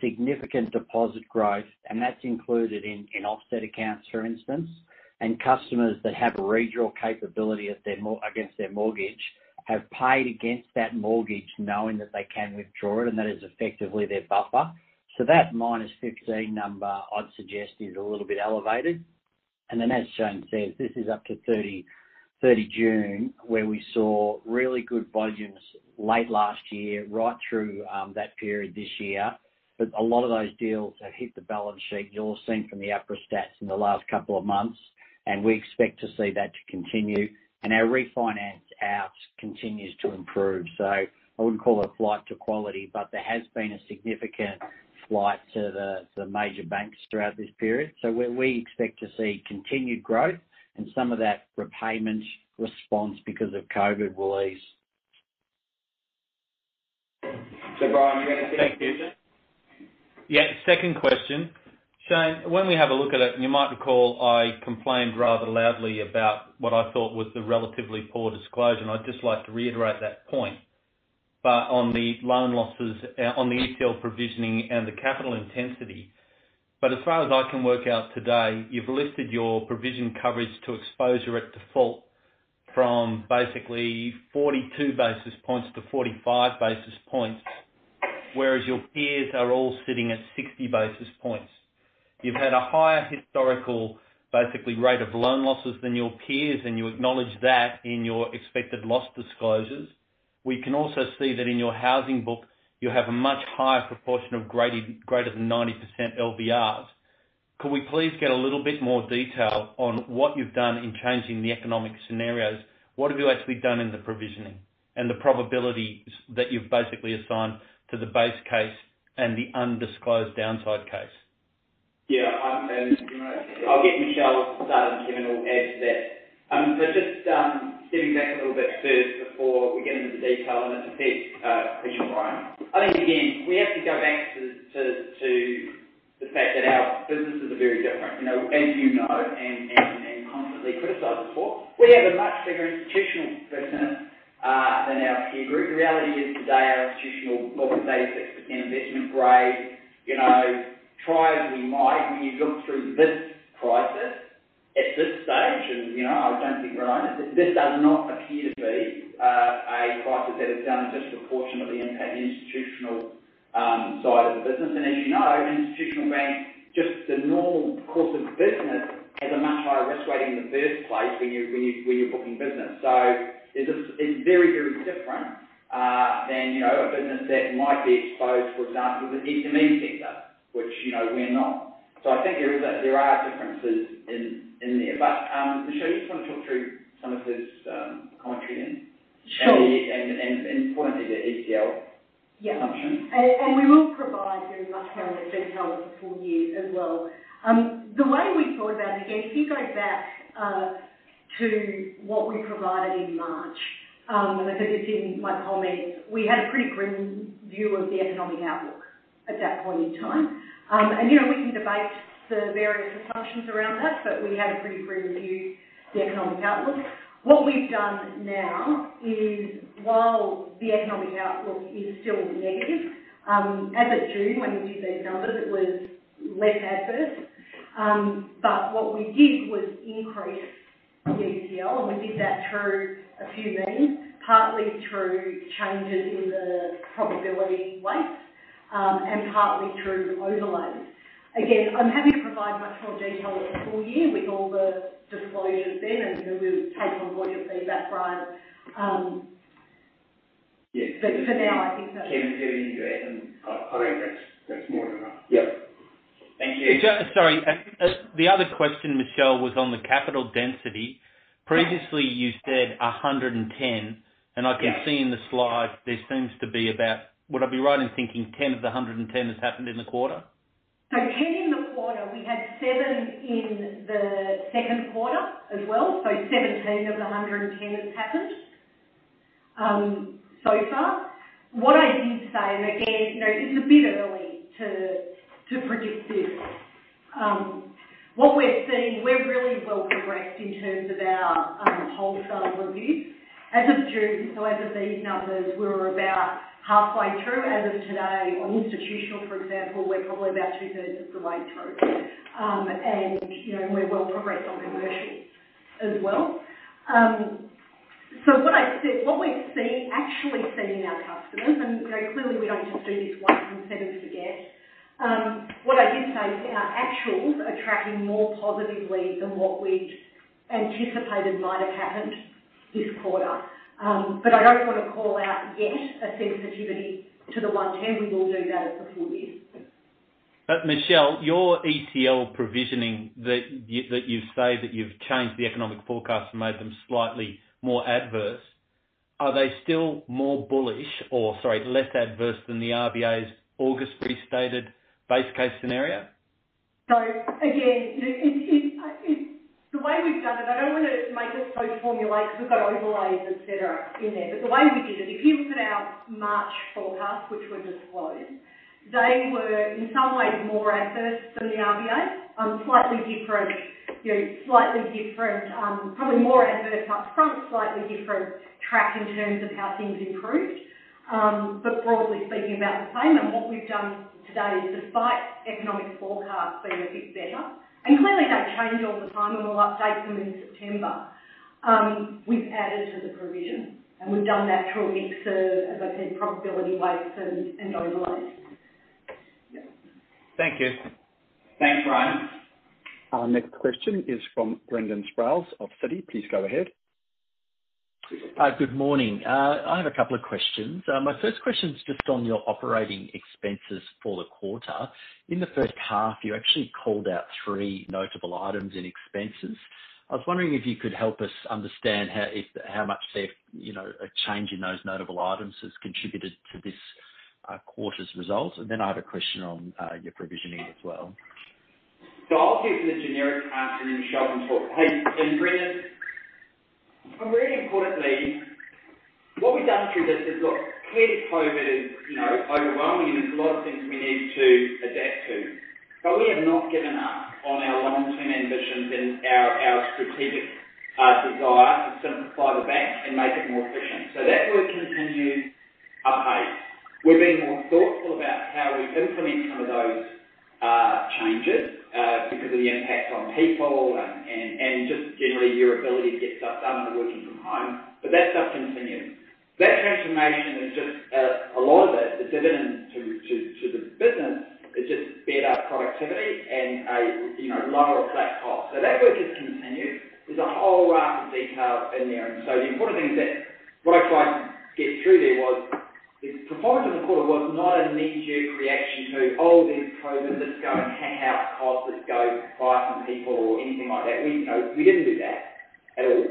significant deposit growth. And that's included in offset accounts, for instance. And customers that have a redraw capability against their mortgage have paid against that mortgage knowing that they can withdraw it. And that is effectively their buffer. So that minus 15 number I'd suggest is a little bit elevated. And then as Shayne says, this is up to 30 June where we saw really good volumes late last year, right through that period this year. But a lot of those deals have hit the balance sheet. You'll have seen from the APRA stats in the last couple of months. And we expect to see that to continue. And our refinance out continues to improve. So I wouldn't call it a flight to quality, but there has been a significant flight to the major banks throughout this period, so we expect to see continued growth, and some of that repayment response because of COVID will ease. So Brian, you got a second question? Yeah. Second question. Shayne, when we have a look at it, you might recall I complained rather loudly about what I thought was the relatively poor disclosure. And I'd just like to reiterate that point. But on the loan losses, on the ECL provisioning and the capital intensity. But as far as I can work out today, you've lifted your provision coverage to exposure at default from basically 42 basis points to 45 basis points, whereas your peers are all sitting at 60 basis points. You've had a higher historical basically rate of loan losses than your peers. And you acknowledge that in your expected loss disclosures. We can also see that in your housing book, you have a much higher proportion of greater than 90% LVRs. Could we please get a little bit more detail on what you've done in changing the economic scenarios? What have you actually done in the provisioning and the probabilities that you've basically assigned to the base case and the undisclosed downside case? Yeah, and I'll get Michelle to start and Kevin will add to that. Just stepping back a little bit first before we get into the detail and it affects commercial business. I think, again, we have to go back to the fact that our businesses are very different, as you know, and constantly criticized before. We have a much bigger institutional business than our peer group. The reality is today, our institutional book is 86% investment grade. Try as we might, when you look through this crisis at this stage, and I don't think we're alone, this does not appear to be a crisis that has done a disproportionately impact on the institutional side of the business. And as you know, institutional banking just the normal course of business has a much higher risk rating in the first place when you're booking business. So it's very, very different than a business that might be exposed, for example, to the SME sector, which we're not. So I think there are differences in there. But Michelle, you just want to talk through some of this commentary then? Sure. Importantly, the ECL assumption. Yeah. And we will provide very much more detail with the full year as well. The way we thought about it, again, if you go back to what we provided in March, as I said in my comments, we had a pretty grim view of the economic outlook at that point in time. And we can debate the various assumptions around that, but we had a pretty grim view of the economic outlook. What we've done now is, while the economic outlook is still negative, as of June, when we did those numbers, it was less adverse. But what we did was increase the ECL. And we did that through a few means, partly through changes in the probability weights and partly through overlays. Again, I'm happy to provide much more detail with the full year with all the disclosures then. And we'll take on what you'll say back, Brian. Yeah. But for now, I think that. Kevin, you go ahead. I think that's more than enough. Sorry. The other question, Michelle, was on the capital density. Previously, you said 110. And I can see in the slide, there seems to be about, would I be right in thinking 10 of the 110 has happened in the quarter? So 10 in the quarter, we had 7 in the second quarter as well. So 17 of the 110 has happened so far. What I did say, and again, it's a bit early to predict this. What we're seeing, we're really well progressed in terms of our wholesale reviews. As of June, so as of these numbers, we were about halfway through. As of today, on institutional, for example, we're probably about two-thirds of the way through. And we're well progressed on commercial as well. So what we've actually seen in our customers, and clearly, we don't just do this once and set and forget. What I did say is our actuals are tracking more positively than what we'd anticipated might have happened this quarter. But I don't want to call out yet a sensitivity to the 110. We will do that at the full year. But Michelle, your ECL provisioning that you say that you've changed the economic forecast and made them slightly more adverse, are they still more bullish or, sorry, less adverse than the RBA's August restated base case scenario? So again, the way we've done it, I don't want to make it so formulaic because we've got overlays, etc., in there, but the way we did it, if you look at our March forecast, which were disclosed, they were in some ways more adverse than the RBA, slightly different, probably more adverse upfront, slightly different track in terms of how things improved, but broadly speaking, about the same, and what we've done today is, despite economic forecasts being a bit better, and clearly they change all the time, and we'll update them in September, we've added to the provision, and we've done that through overlays, as I said, probability weights and overlays. Thank you. Thanks, Brian. Our next question is from Brendan Sproules of Citi. Please go ahead. Good morning. I have a couple of questions. My first question's just on your operating expenses for the quarter. In the first half, you actually called out three notable items in expenses. I was wondering if you could help us understand how much a change in those notable items has contributed to this quarter's result. And then I have a question on your provisioning as well. So I'll give the generic answer, then Michelle can talk. Hey, Brendan. I'm really, importantly, what we've done through this is, look, clearly COVID is overwhelming, and there's a lot of things we need to adapt to. But we have not given up on our long-term ambitions and our strategic desire to simplify the bank and make it more efficient. So that will continue upheld. We're being more thoughtful about how we implement some of those changes because of the impact on people and just generally your ability to get stuff done and working from home. But that stuff continues. That transformation is just a lot of it, the dividend to the business, is just better productivity and lower flat costs. So that work has continued. There's a whole raft of details in there. And so the important thing is that what I tried to get through there was the performance of the quarter was not a knee-jerk reaction to, "Oh, there's COVID. Let's go and hack out costs. Let's go buy some people," or anything like that. We didn't do that at all.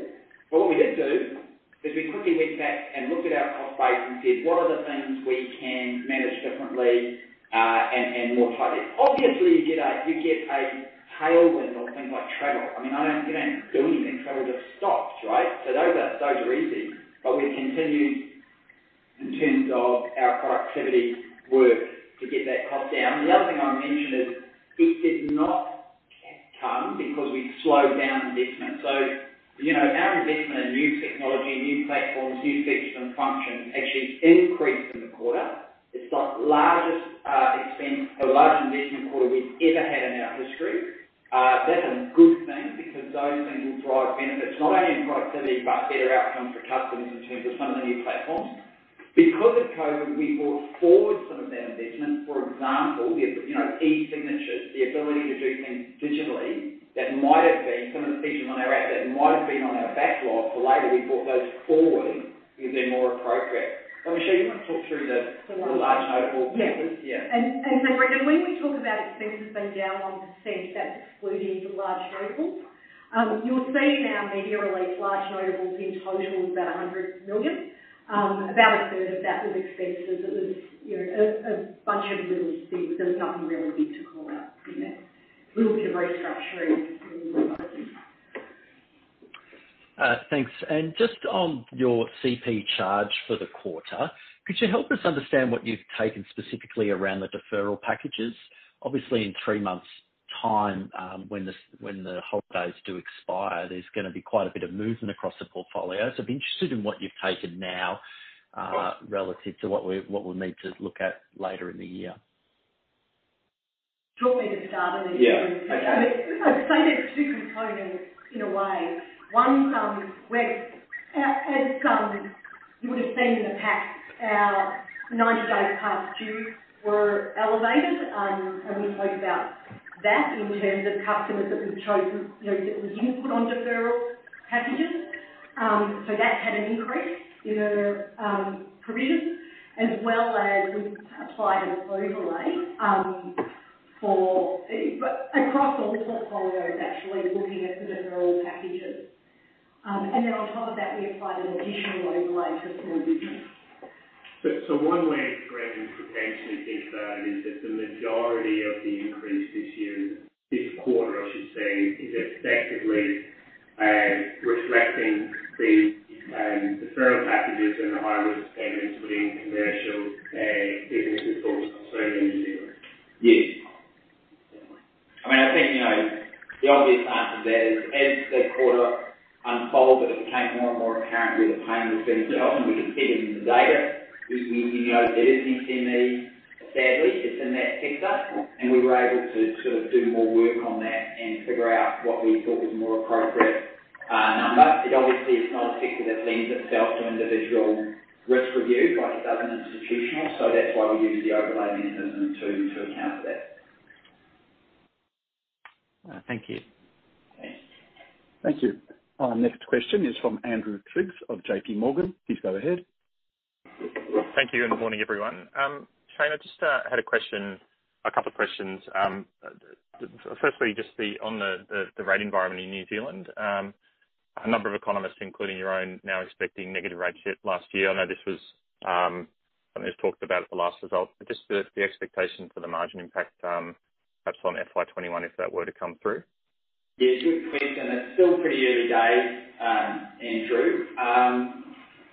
But what we did do is we quickly went back and looked at our cost base and said, "What are the things we can manage differently and more tightly?" Obviously, you get a tailwind on things like travel. I mean, you don't do anything. Travel just stopped, right? So those are easy. But we've continued in terms of our productivity work to get that cost down. The other thing I'll mention is it did not come because we slowed down investment. So our investment in new technology, new platforms, new features, and functions actually increased in the quarter. It's the largest expense or largest investment quarter we've ever had in our history. That's a good thing because those things will drive benefits, not only in productivity but better outcomes for customers in terms of some of the new platforms. Because of COVID, we brought forward some of that investment. For example, the e-signatures, the ability to do things digitally that might have been some of the features on our app that might have been on our backlog for later, we brought those forward because they're more appropriate, and Michelle, you want to talk through the large notable pieces? Yeah. And Brendan, when we talk about expenses being down 1%, that's excluding the large notable. You'll see in our media release, large notables in total was about 100 million. About a third of that was expenses. It was a bunch of little things. There was nothing really big to call out in there. A little bit of restructuring and other things. Thanks. And just on your CP charge for the quarter, could you help us understand what you've taken specifically around the deferral packages? Obviously, in three months' time, when the holidays do expire, there's going to be quite a bit of movement across the portfolio. So I'm interested in what you've taken now relative to what we'll need to look at later in the year. Shortly to start, and then you can say there's two components in a way. One is, as you would have seen in the past, our 90 days past due were elevated, and we talked about that in terms of customers that we've chosen that we didn't put on deferral packages. So that had an increase in the provision, as well as we applied an overlay across all portfolios, actually looking at the deferral packages, and then on top of that, we applied an additional overlay to small business. One way, Brendan, to potentially think about it is that the majority of the increase this year, this quarter, I should say, is effectively reflecting the deferral packages and the high-risk payments within commercial businesses for consumers in New Zealand. Yes. I mean, I think the obvious answer there is, as the quarter unfolded, it became more and more apparent where the pain was being felt, and we could see it in the data. We know that it is an SME, sadly. It's in that sector, and we were able to sort of do more work on that and figure out what we thought was a more appropriate number. It obviously is not a sector that lends itself to individual risk review, but it does in institutional, so that's why we use the overlay mechanism to account for that. Thank you. Thanks. Thank you. Our next question is from Andrew Triggs of JPMorgan. Please go ahead. Thank you. Good morning, everyone. Shayne, just had a question, a couple of questions. Firstly, just on the rate environment in New Zealand, a number of economists, including your own, now expecting negative rates last year. I know this was something that was talked about at the last result. But just the expectation for the margin impact, perhaps on FY21, if that were to come through? Yeah. Good question. It's still pretty early days, Andrew.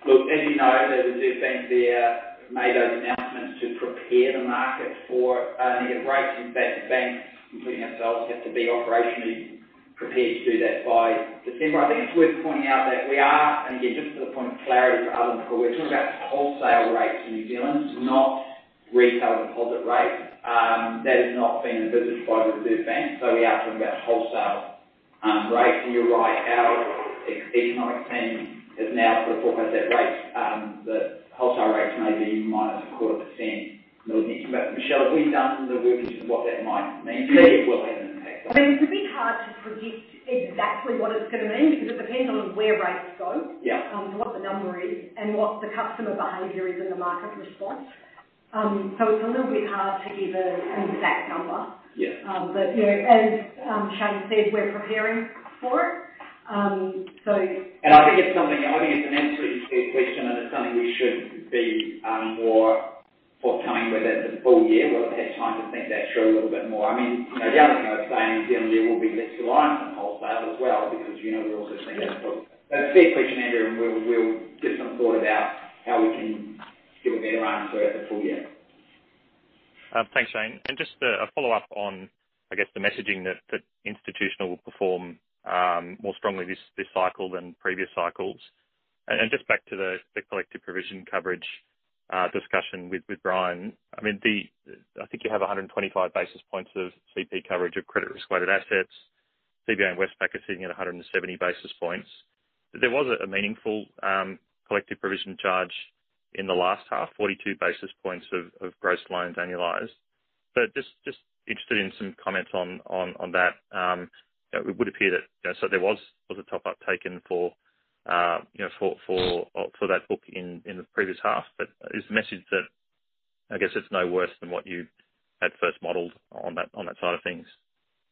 Look, as you know, there was the RBNZ's announcements to prepare the market for negative rates. In fact, the banks, including ourselves, have to be operationally prepared to do that by December. I think it's worth pointing out that we are, and again, just for the point of clarity for others, we're talking about wholesale rates in New Zealand, not retail deposit rates. That has not been envisaged by the Reserve Bank. So we are talking about wholesale rates. And you're right, our economic team has now sort of forecast that wholesale rates may be minus 0.25%. But Michelle, have we done the work into what that might mean? Maybe it will have an impact. I mean, it's a bit hard to predict exactly what it's going to mean because it depends on where rates go, what the number is, and what the customer behavior is and the market response. So it's a little bit hard to give an exact number. But as Shayne said, we're preparing for it. And I think it's something, an absolutely fair question, and it's something we should be more forthcoming with over the full year. We'll have had time to think that through a little bit more. I mean, the other thing I was saying is the end of the year will be less reliant on wholesale as well because we're also seeing that. But it's a fair question, Andrew. And we'll give some thought about how we can give a better answer over the full year. Thanks, Shayne. And just a follow-up on, I guess, the messaging that institutional will perform more strongly this cycle than previous cycles. And just back to the collective provision coverage discussion with Brian, I mean, I think you have 125 basis points of CP coverage of credit risk-weighted assets. CBA and Westpac are sitting at 170 basis points. There was a meaningful collective provision charge in the last half, 42 basis points of gross loans annualized. But just interested in some comments on that. It would appear that so there was a top-up taken for that book in the previous half. But is the message that, I guess, it's no worse than what you had first modeled on that side of things?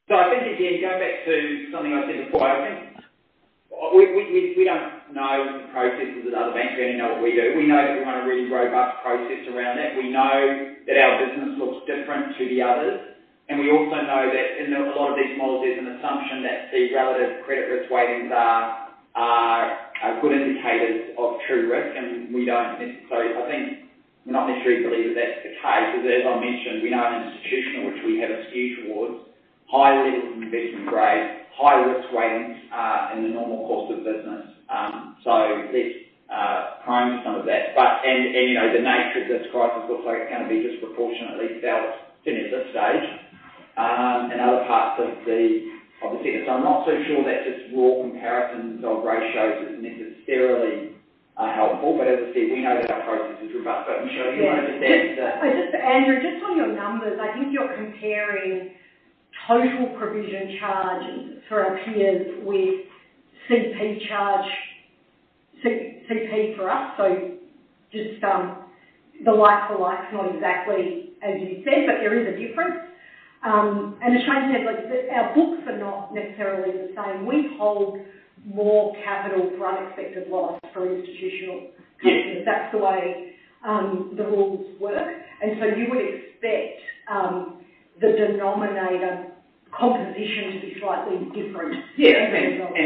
So I think, again, going back to something I said before, I think we don't know the processes at other banks. We only know what we do. We know that we want a really robust process around that. We know that our business looks different to the others. And we also know that in a lot of these models, there's an assumption that the relative credit risk weightings are good indicators of true risk. And we don't necessarily, I think we're not necessarily believe that that's the case. As I mentioned, we know our institutional which we have a skew towards high levels of investment grade, high risk weightings in the normal course of business. So it's prone to some of that. And the nature of this crisis looks like it's going to be disproportionately felt at this stage in other parts of the sector. So I'm not so sure that just raw comparisons of ratios is necessarily helpful. But as I said, we know that our process is robust. But Michelle, do you want to just add to that? Andrew, just on your numbers, I think you're comparing total provision charge for our peers with cash profit charge, cash profit for us. So just the like-for-like, not exactly as you said, but there is a difference. As Shayne said, our books are not necessarily the same. We hold more capital for unexpected loss for institutional customers. That's the way the rules work. So you would expect the denominator composition to be slightly different in terms of. Yeah.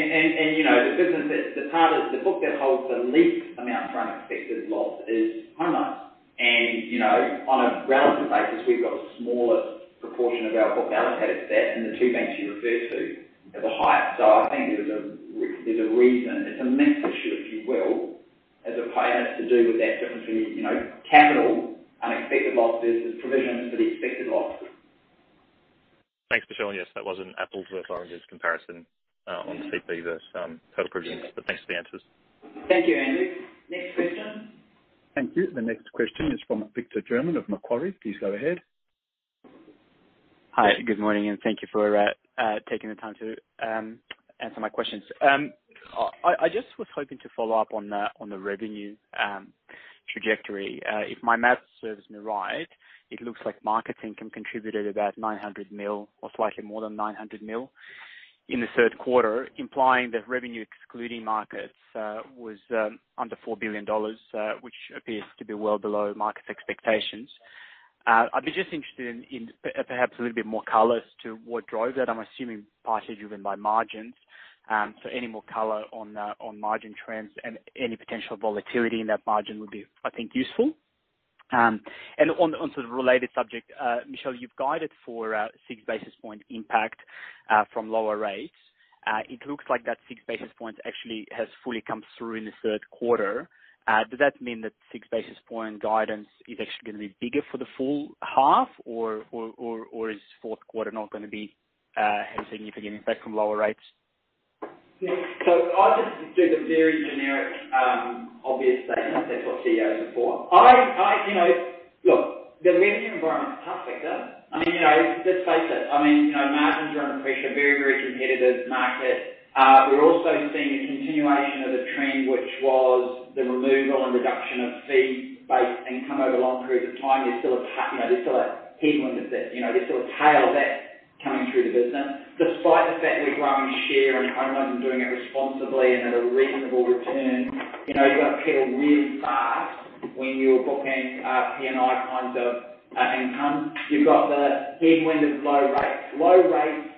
And the book that holds the least amount for unexpected loss is home loans. And on a relative basis, we've got the smallest proportion of our book allocated to that. And the two banks you referred to are the highest. So I think there's a reason, it's a mixed issue, if you will, as opposed to do with that difference in capital unexpected loss versus provisions for the expected loss. Thanks, Michelle. And yes, that wasn't apples-to-oranges comparison on CP versus total provisions. But thanks for the answers. Thank you, Andrew. Next question. Thank you. The next question is from Victor German of Macquarie. Please go ahead. Hi. Good morning. And thank you for taking the time to answer my questions. I just was hoping to follow up on the revenue trajectory. If my math serves me right, it looks like markets income contributed about 900 million or slightly more than 900 million in the third quarter, implying that revenue excluding markets was under 4 billion dollars, which appears to be well below markets' expectations. I'd be just interested in perhaps a little bit more colors to what drove that. I'm assuming partly driven by margins. So any more color on margin trends and any potential volatility in that margin would be, I think, useful. And on sort of related subject, Michelle, you've guided for a six basis points impact from lower rates. It looks like that six basis points actually has fully come through in the third quarter. Does that mean that six basis points guidance is actually going to be bigger for the full half, or is fourth quarter not going to be having a significant impact from lower rates? Yeah. So I'll just do the very generic, obvious statement that's what CEOs are for. Look, the revenue environment's perfect, though. I mean, let's face it. I mean, margins are under pressure, very, very competitive market. We're also seeing a continuation of the trend, which was the removal and reduction of fee-based income over long periods of time. There's still a headwind of that. There's still a tail of that coming through the business. Despite the fact we're growing share in home loans and doing it responsibly and at a reasonable return, you've got to pedal really fast when you're booking P&I kinds of income. You've got the headwind of low rates. Low rates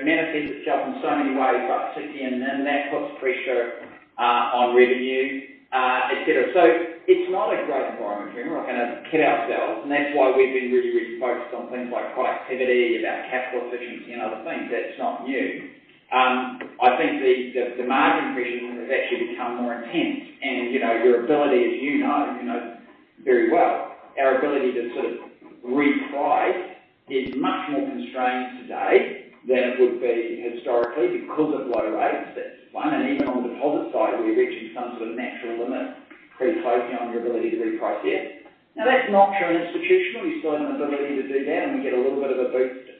manifests itself in so many ways by CPI and then that puts pressure on revenue, etc. So it's not a great environment here. We're not going to kid ourselves. That's why we've been really, really focused on things like productivity, about capital efficiency, and other things. That's not new. I think the margin pressure has actually become more intense. Your ability, as you know very well, our ability to sort of reprice is much more constrained today than it would be historically because of low rates. That's one. Even on the deposit side, we're reaching some sort of natural limit pre-COVID on your ability to reprice there. Now, that's not true in institutional. You still have an ability to do that, and we get a little bit of a boost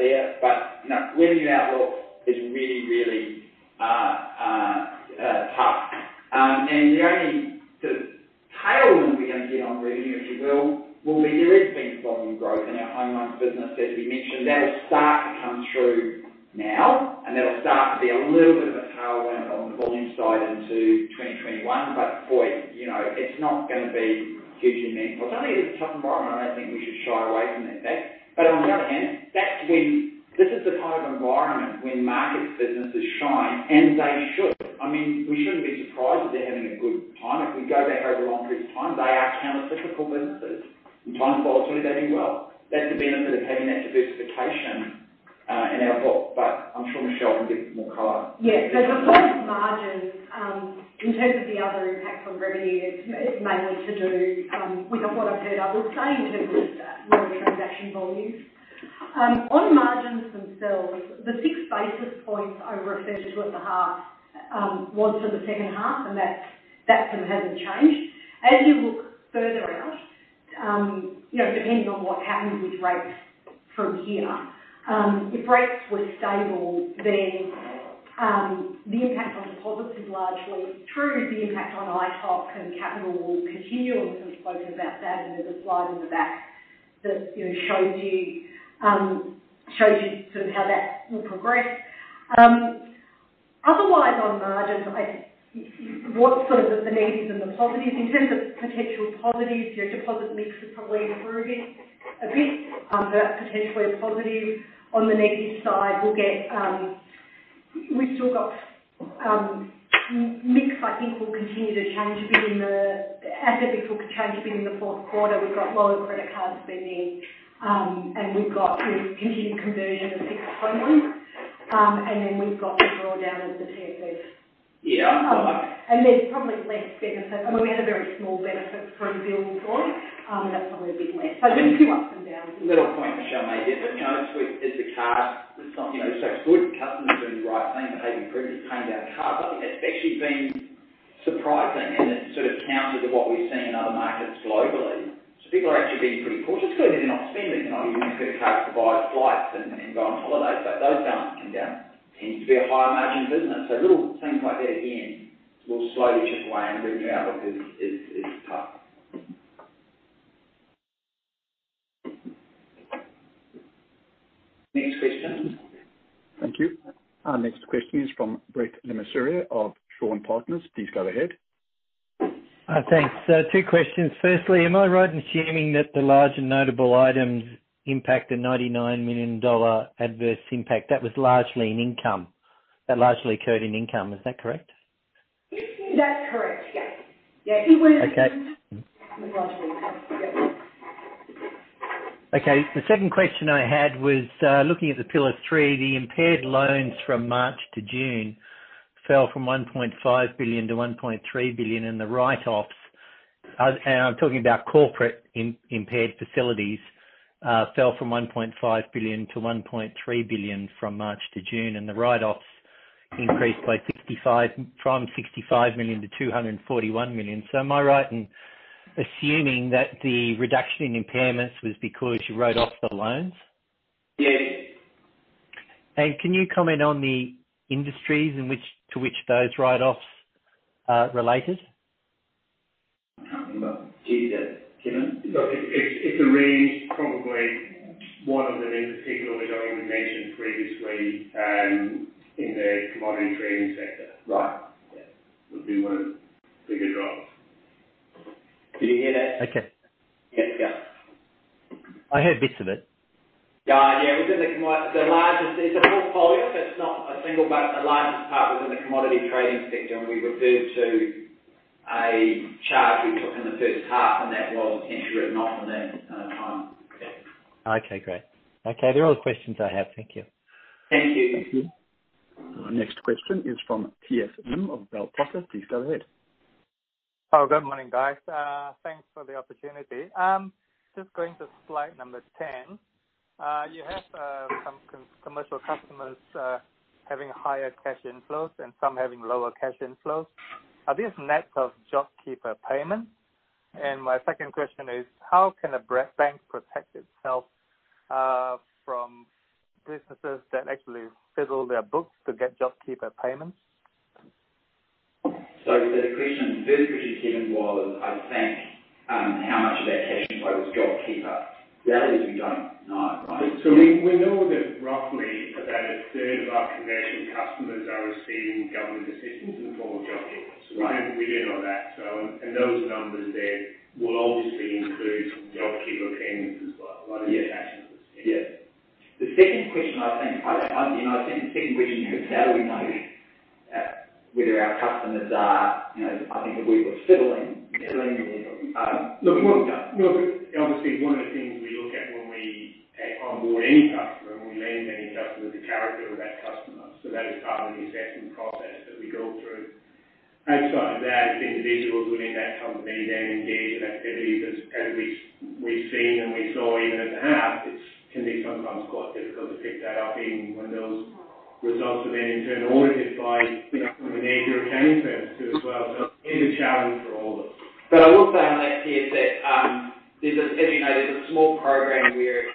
there. But revenue outlook is really, really tough. The only sort of tailwind we're going to get on revenue, if you will, will be the rebound volume growth in our home loans business, as we mentioned. That'll start to come through now, and that'll start to be a little bit of a tailwind on the volume side into 2021. But boy, it's not going to be hugely meaningful. So I think it's a tough environment. I don't think we should shy away from that fact. But on the other hand, this is the kind of environment when markets' businesses shine, and they should. I mean, we shouldn't be surprised if they're having a good time. If we go back over a long period of time, they are countercyclical businesses. And in times like these, they do well. That's the benefit of having that diversification in our book. But I'm sure Michelle can give more color. Yeah. So besides margins, in terms of the other impacts on revenue, it's mainly to do with what I've heard others say in terms of lower transaction volumes. On margins themselves, the six basis points I referred to at the heart was for the second half, and that sort of hasn't changed. As you look further out, depending on what happens with rates from here, if rates were stable, then the impact on deposits is largely true. The impact on earnings on capital and capital will continue. And we've spoken about that in the slide in the back that shows you sort of how that will progress. Otherwise, on margins, what's sort of the negatives and the positives? In terms of potential positives, your deposit mix is probably improving a bit. So that's potentially a positive. On the negative side, we've still got mixed. I think we'll continue to see the asset mix change a bit in the fourth quarter. We've got lower credit card spending, and we've got continued conversion of fixed home loans. And then we've got the drawdown of the TFF. Yeah. I like that. And there's probably less benefit. I mean, we had a very small benefit from Bills-OIS. That's probably a bit less. So there's a few ups and downs. Little point Michelle made there, but as we're seeing with cards, so it's good. Customers are doing the right thing, but prioritizing paying down cards. I think that's actually been surprising, and it sort of counter to what we've seen in other markets globally, so people are actually being pretty cautious. Clearly, they're not spending. They're not using their credit cards to buy flights and go on holidays, but those balances coming down tends to be a higher margin business, so little things like that again will slowly chip away, and revenue outlook is tough. Next question. Thank you. Our next question is from Brett Le Mesurier of Shaw and Partners. Please go ahead. Thanks. Two questions. Firstly, am I right in assuming that the large and notable items impact a 99 million dollar adverse impact? That was largely in income. That largely occurred in income. Is that correct? That's correct. Yeah. Yeah. It was largely income. Yep. Okay. The second question I had was looking at the Pillar 3, the impaired loans from March to June fell from 1.5 billion to 1.3 billion, and the write-offs, and I'm talking about corporate impaired facilities, fell from 1.5 billion to 1.3 billion from March to June, and the write-offs increased by 65 from 65 million to 241 million. So am I right in assuming that the reduction in impairments was because you wrote off the loans? Yeah. Can you comment on the industries to which those write-offs related? I can't remember. Okay, Kevin? It's a range. Probably one of them in particular we don't even mention previously in the commodity trading sector. Right. Yeah. Would be one of the bigger drops. Did you hear that? Okay. Yeah. I heard bits of it. Yeah. Within the largest, it's a portfolio, but it's not a single but the largest part within the commodity trading sector. And we referred to a charge we took in the first half, and that was essentially written off in that time. Okay. Great. Okay. They're all the questions I have. Thank you. Thank you. Thank you. Our next question is from T S Lim of Bell Potter. Please go ahead. Hello. Good morning, guys. Thanks for the opportunity. Just going to slide number 10. You have some commercial customers having higher cash inflows and some having lower cash inflows. Are these nets of JobKeeper payments? And my second question is, how can a bank protect itself from businesses that actually fiddle their books to get JobKeeper payments? So the question's very particularly given by, I think, how much of that cash inflow is JobKeeper. The other is we don't know, right? We know that roughly about a third of our conventional customers are receiving government assistance in the form of JobKeeper. We do know that. Those numbers there will obviously include JobKeeper payments as well. A lot of the cash inflows. Yeah. The second question, I think, is, how do we know whether our customers are, I think, if we were fiddling with. Look, obviously, one of the things we look at when we onboard any customer, when we land any customer, is the character of that customer. So that is part of the assessment process that we go through. Outside of that, if individuals within that company then engage in activities as we've seen and we saw even at the half, it can be sometimes quite difficult to pick that up when those results are then internally audited by the major accounting firms too as well. So it is a challenge for all of us. But I will say on that piece that, as you know, there's a small program where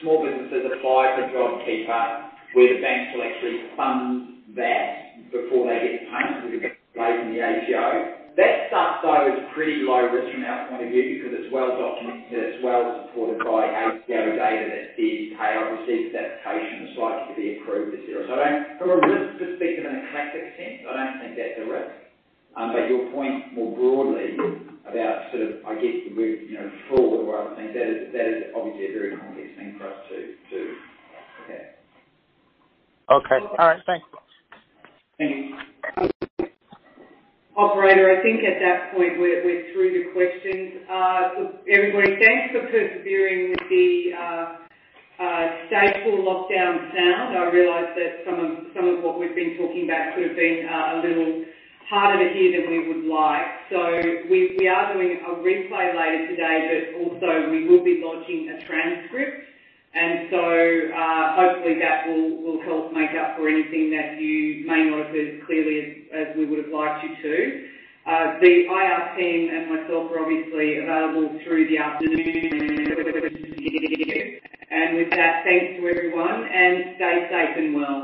small businesses apply for JobKeeper where the bank actually funds that before they get the payment because it pays in the ATO. That stuff, though, is pretty low risk from our point of view because it's well documented. It's well supported by ATO data that's there. You pay obviously for that application. It's likely to be approved to zero. So from a risk perspective in a classic sense, I don't think that's a risk. But your point more broadly about sort of, I guess, the word fraud or other things, that is obviously a very complex thing for us to do. Okay. Okay. All right. Thanks. Thank you. Operator, I think at that point we're through the questions. Everybody, thanks for persevering with the Stage 4 lockdown sound. I realize that some of what we've been talking about could have been a little harder to hear than we would like. So we are doing a replay later today, but also we will be launching a transcript. And so hopefully that will help make up for anything that you may not have heard as clearly as we would have liked you to. The IR team and myself are obviously available through the afternoon for questions and review. And with that, thanks to everyone. And stay safe and well.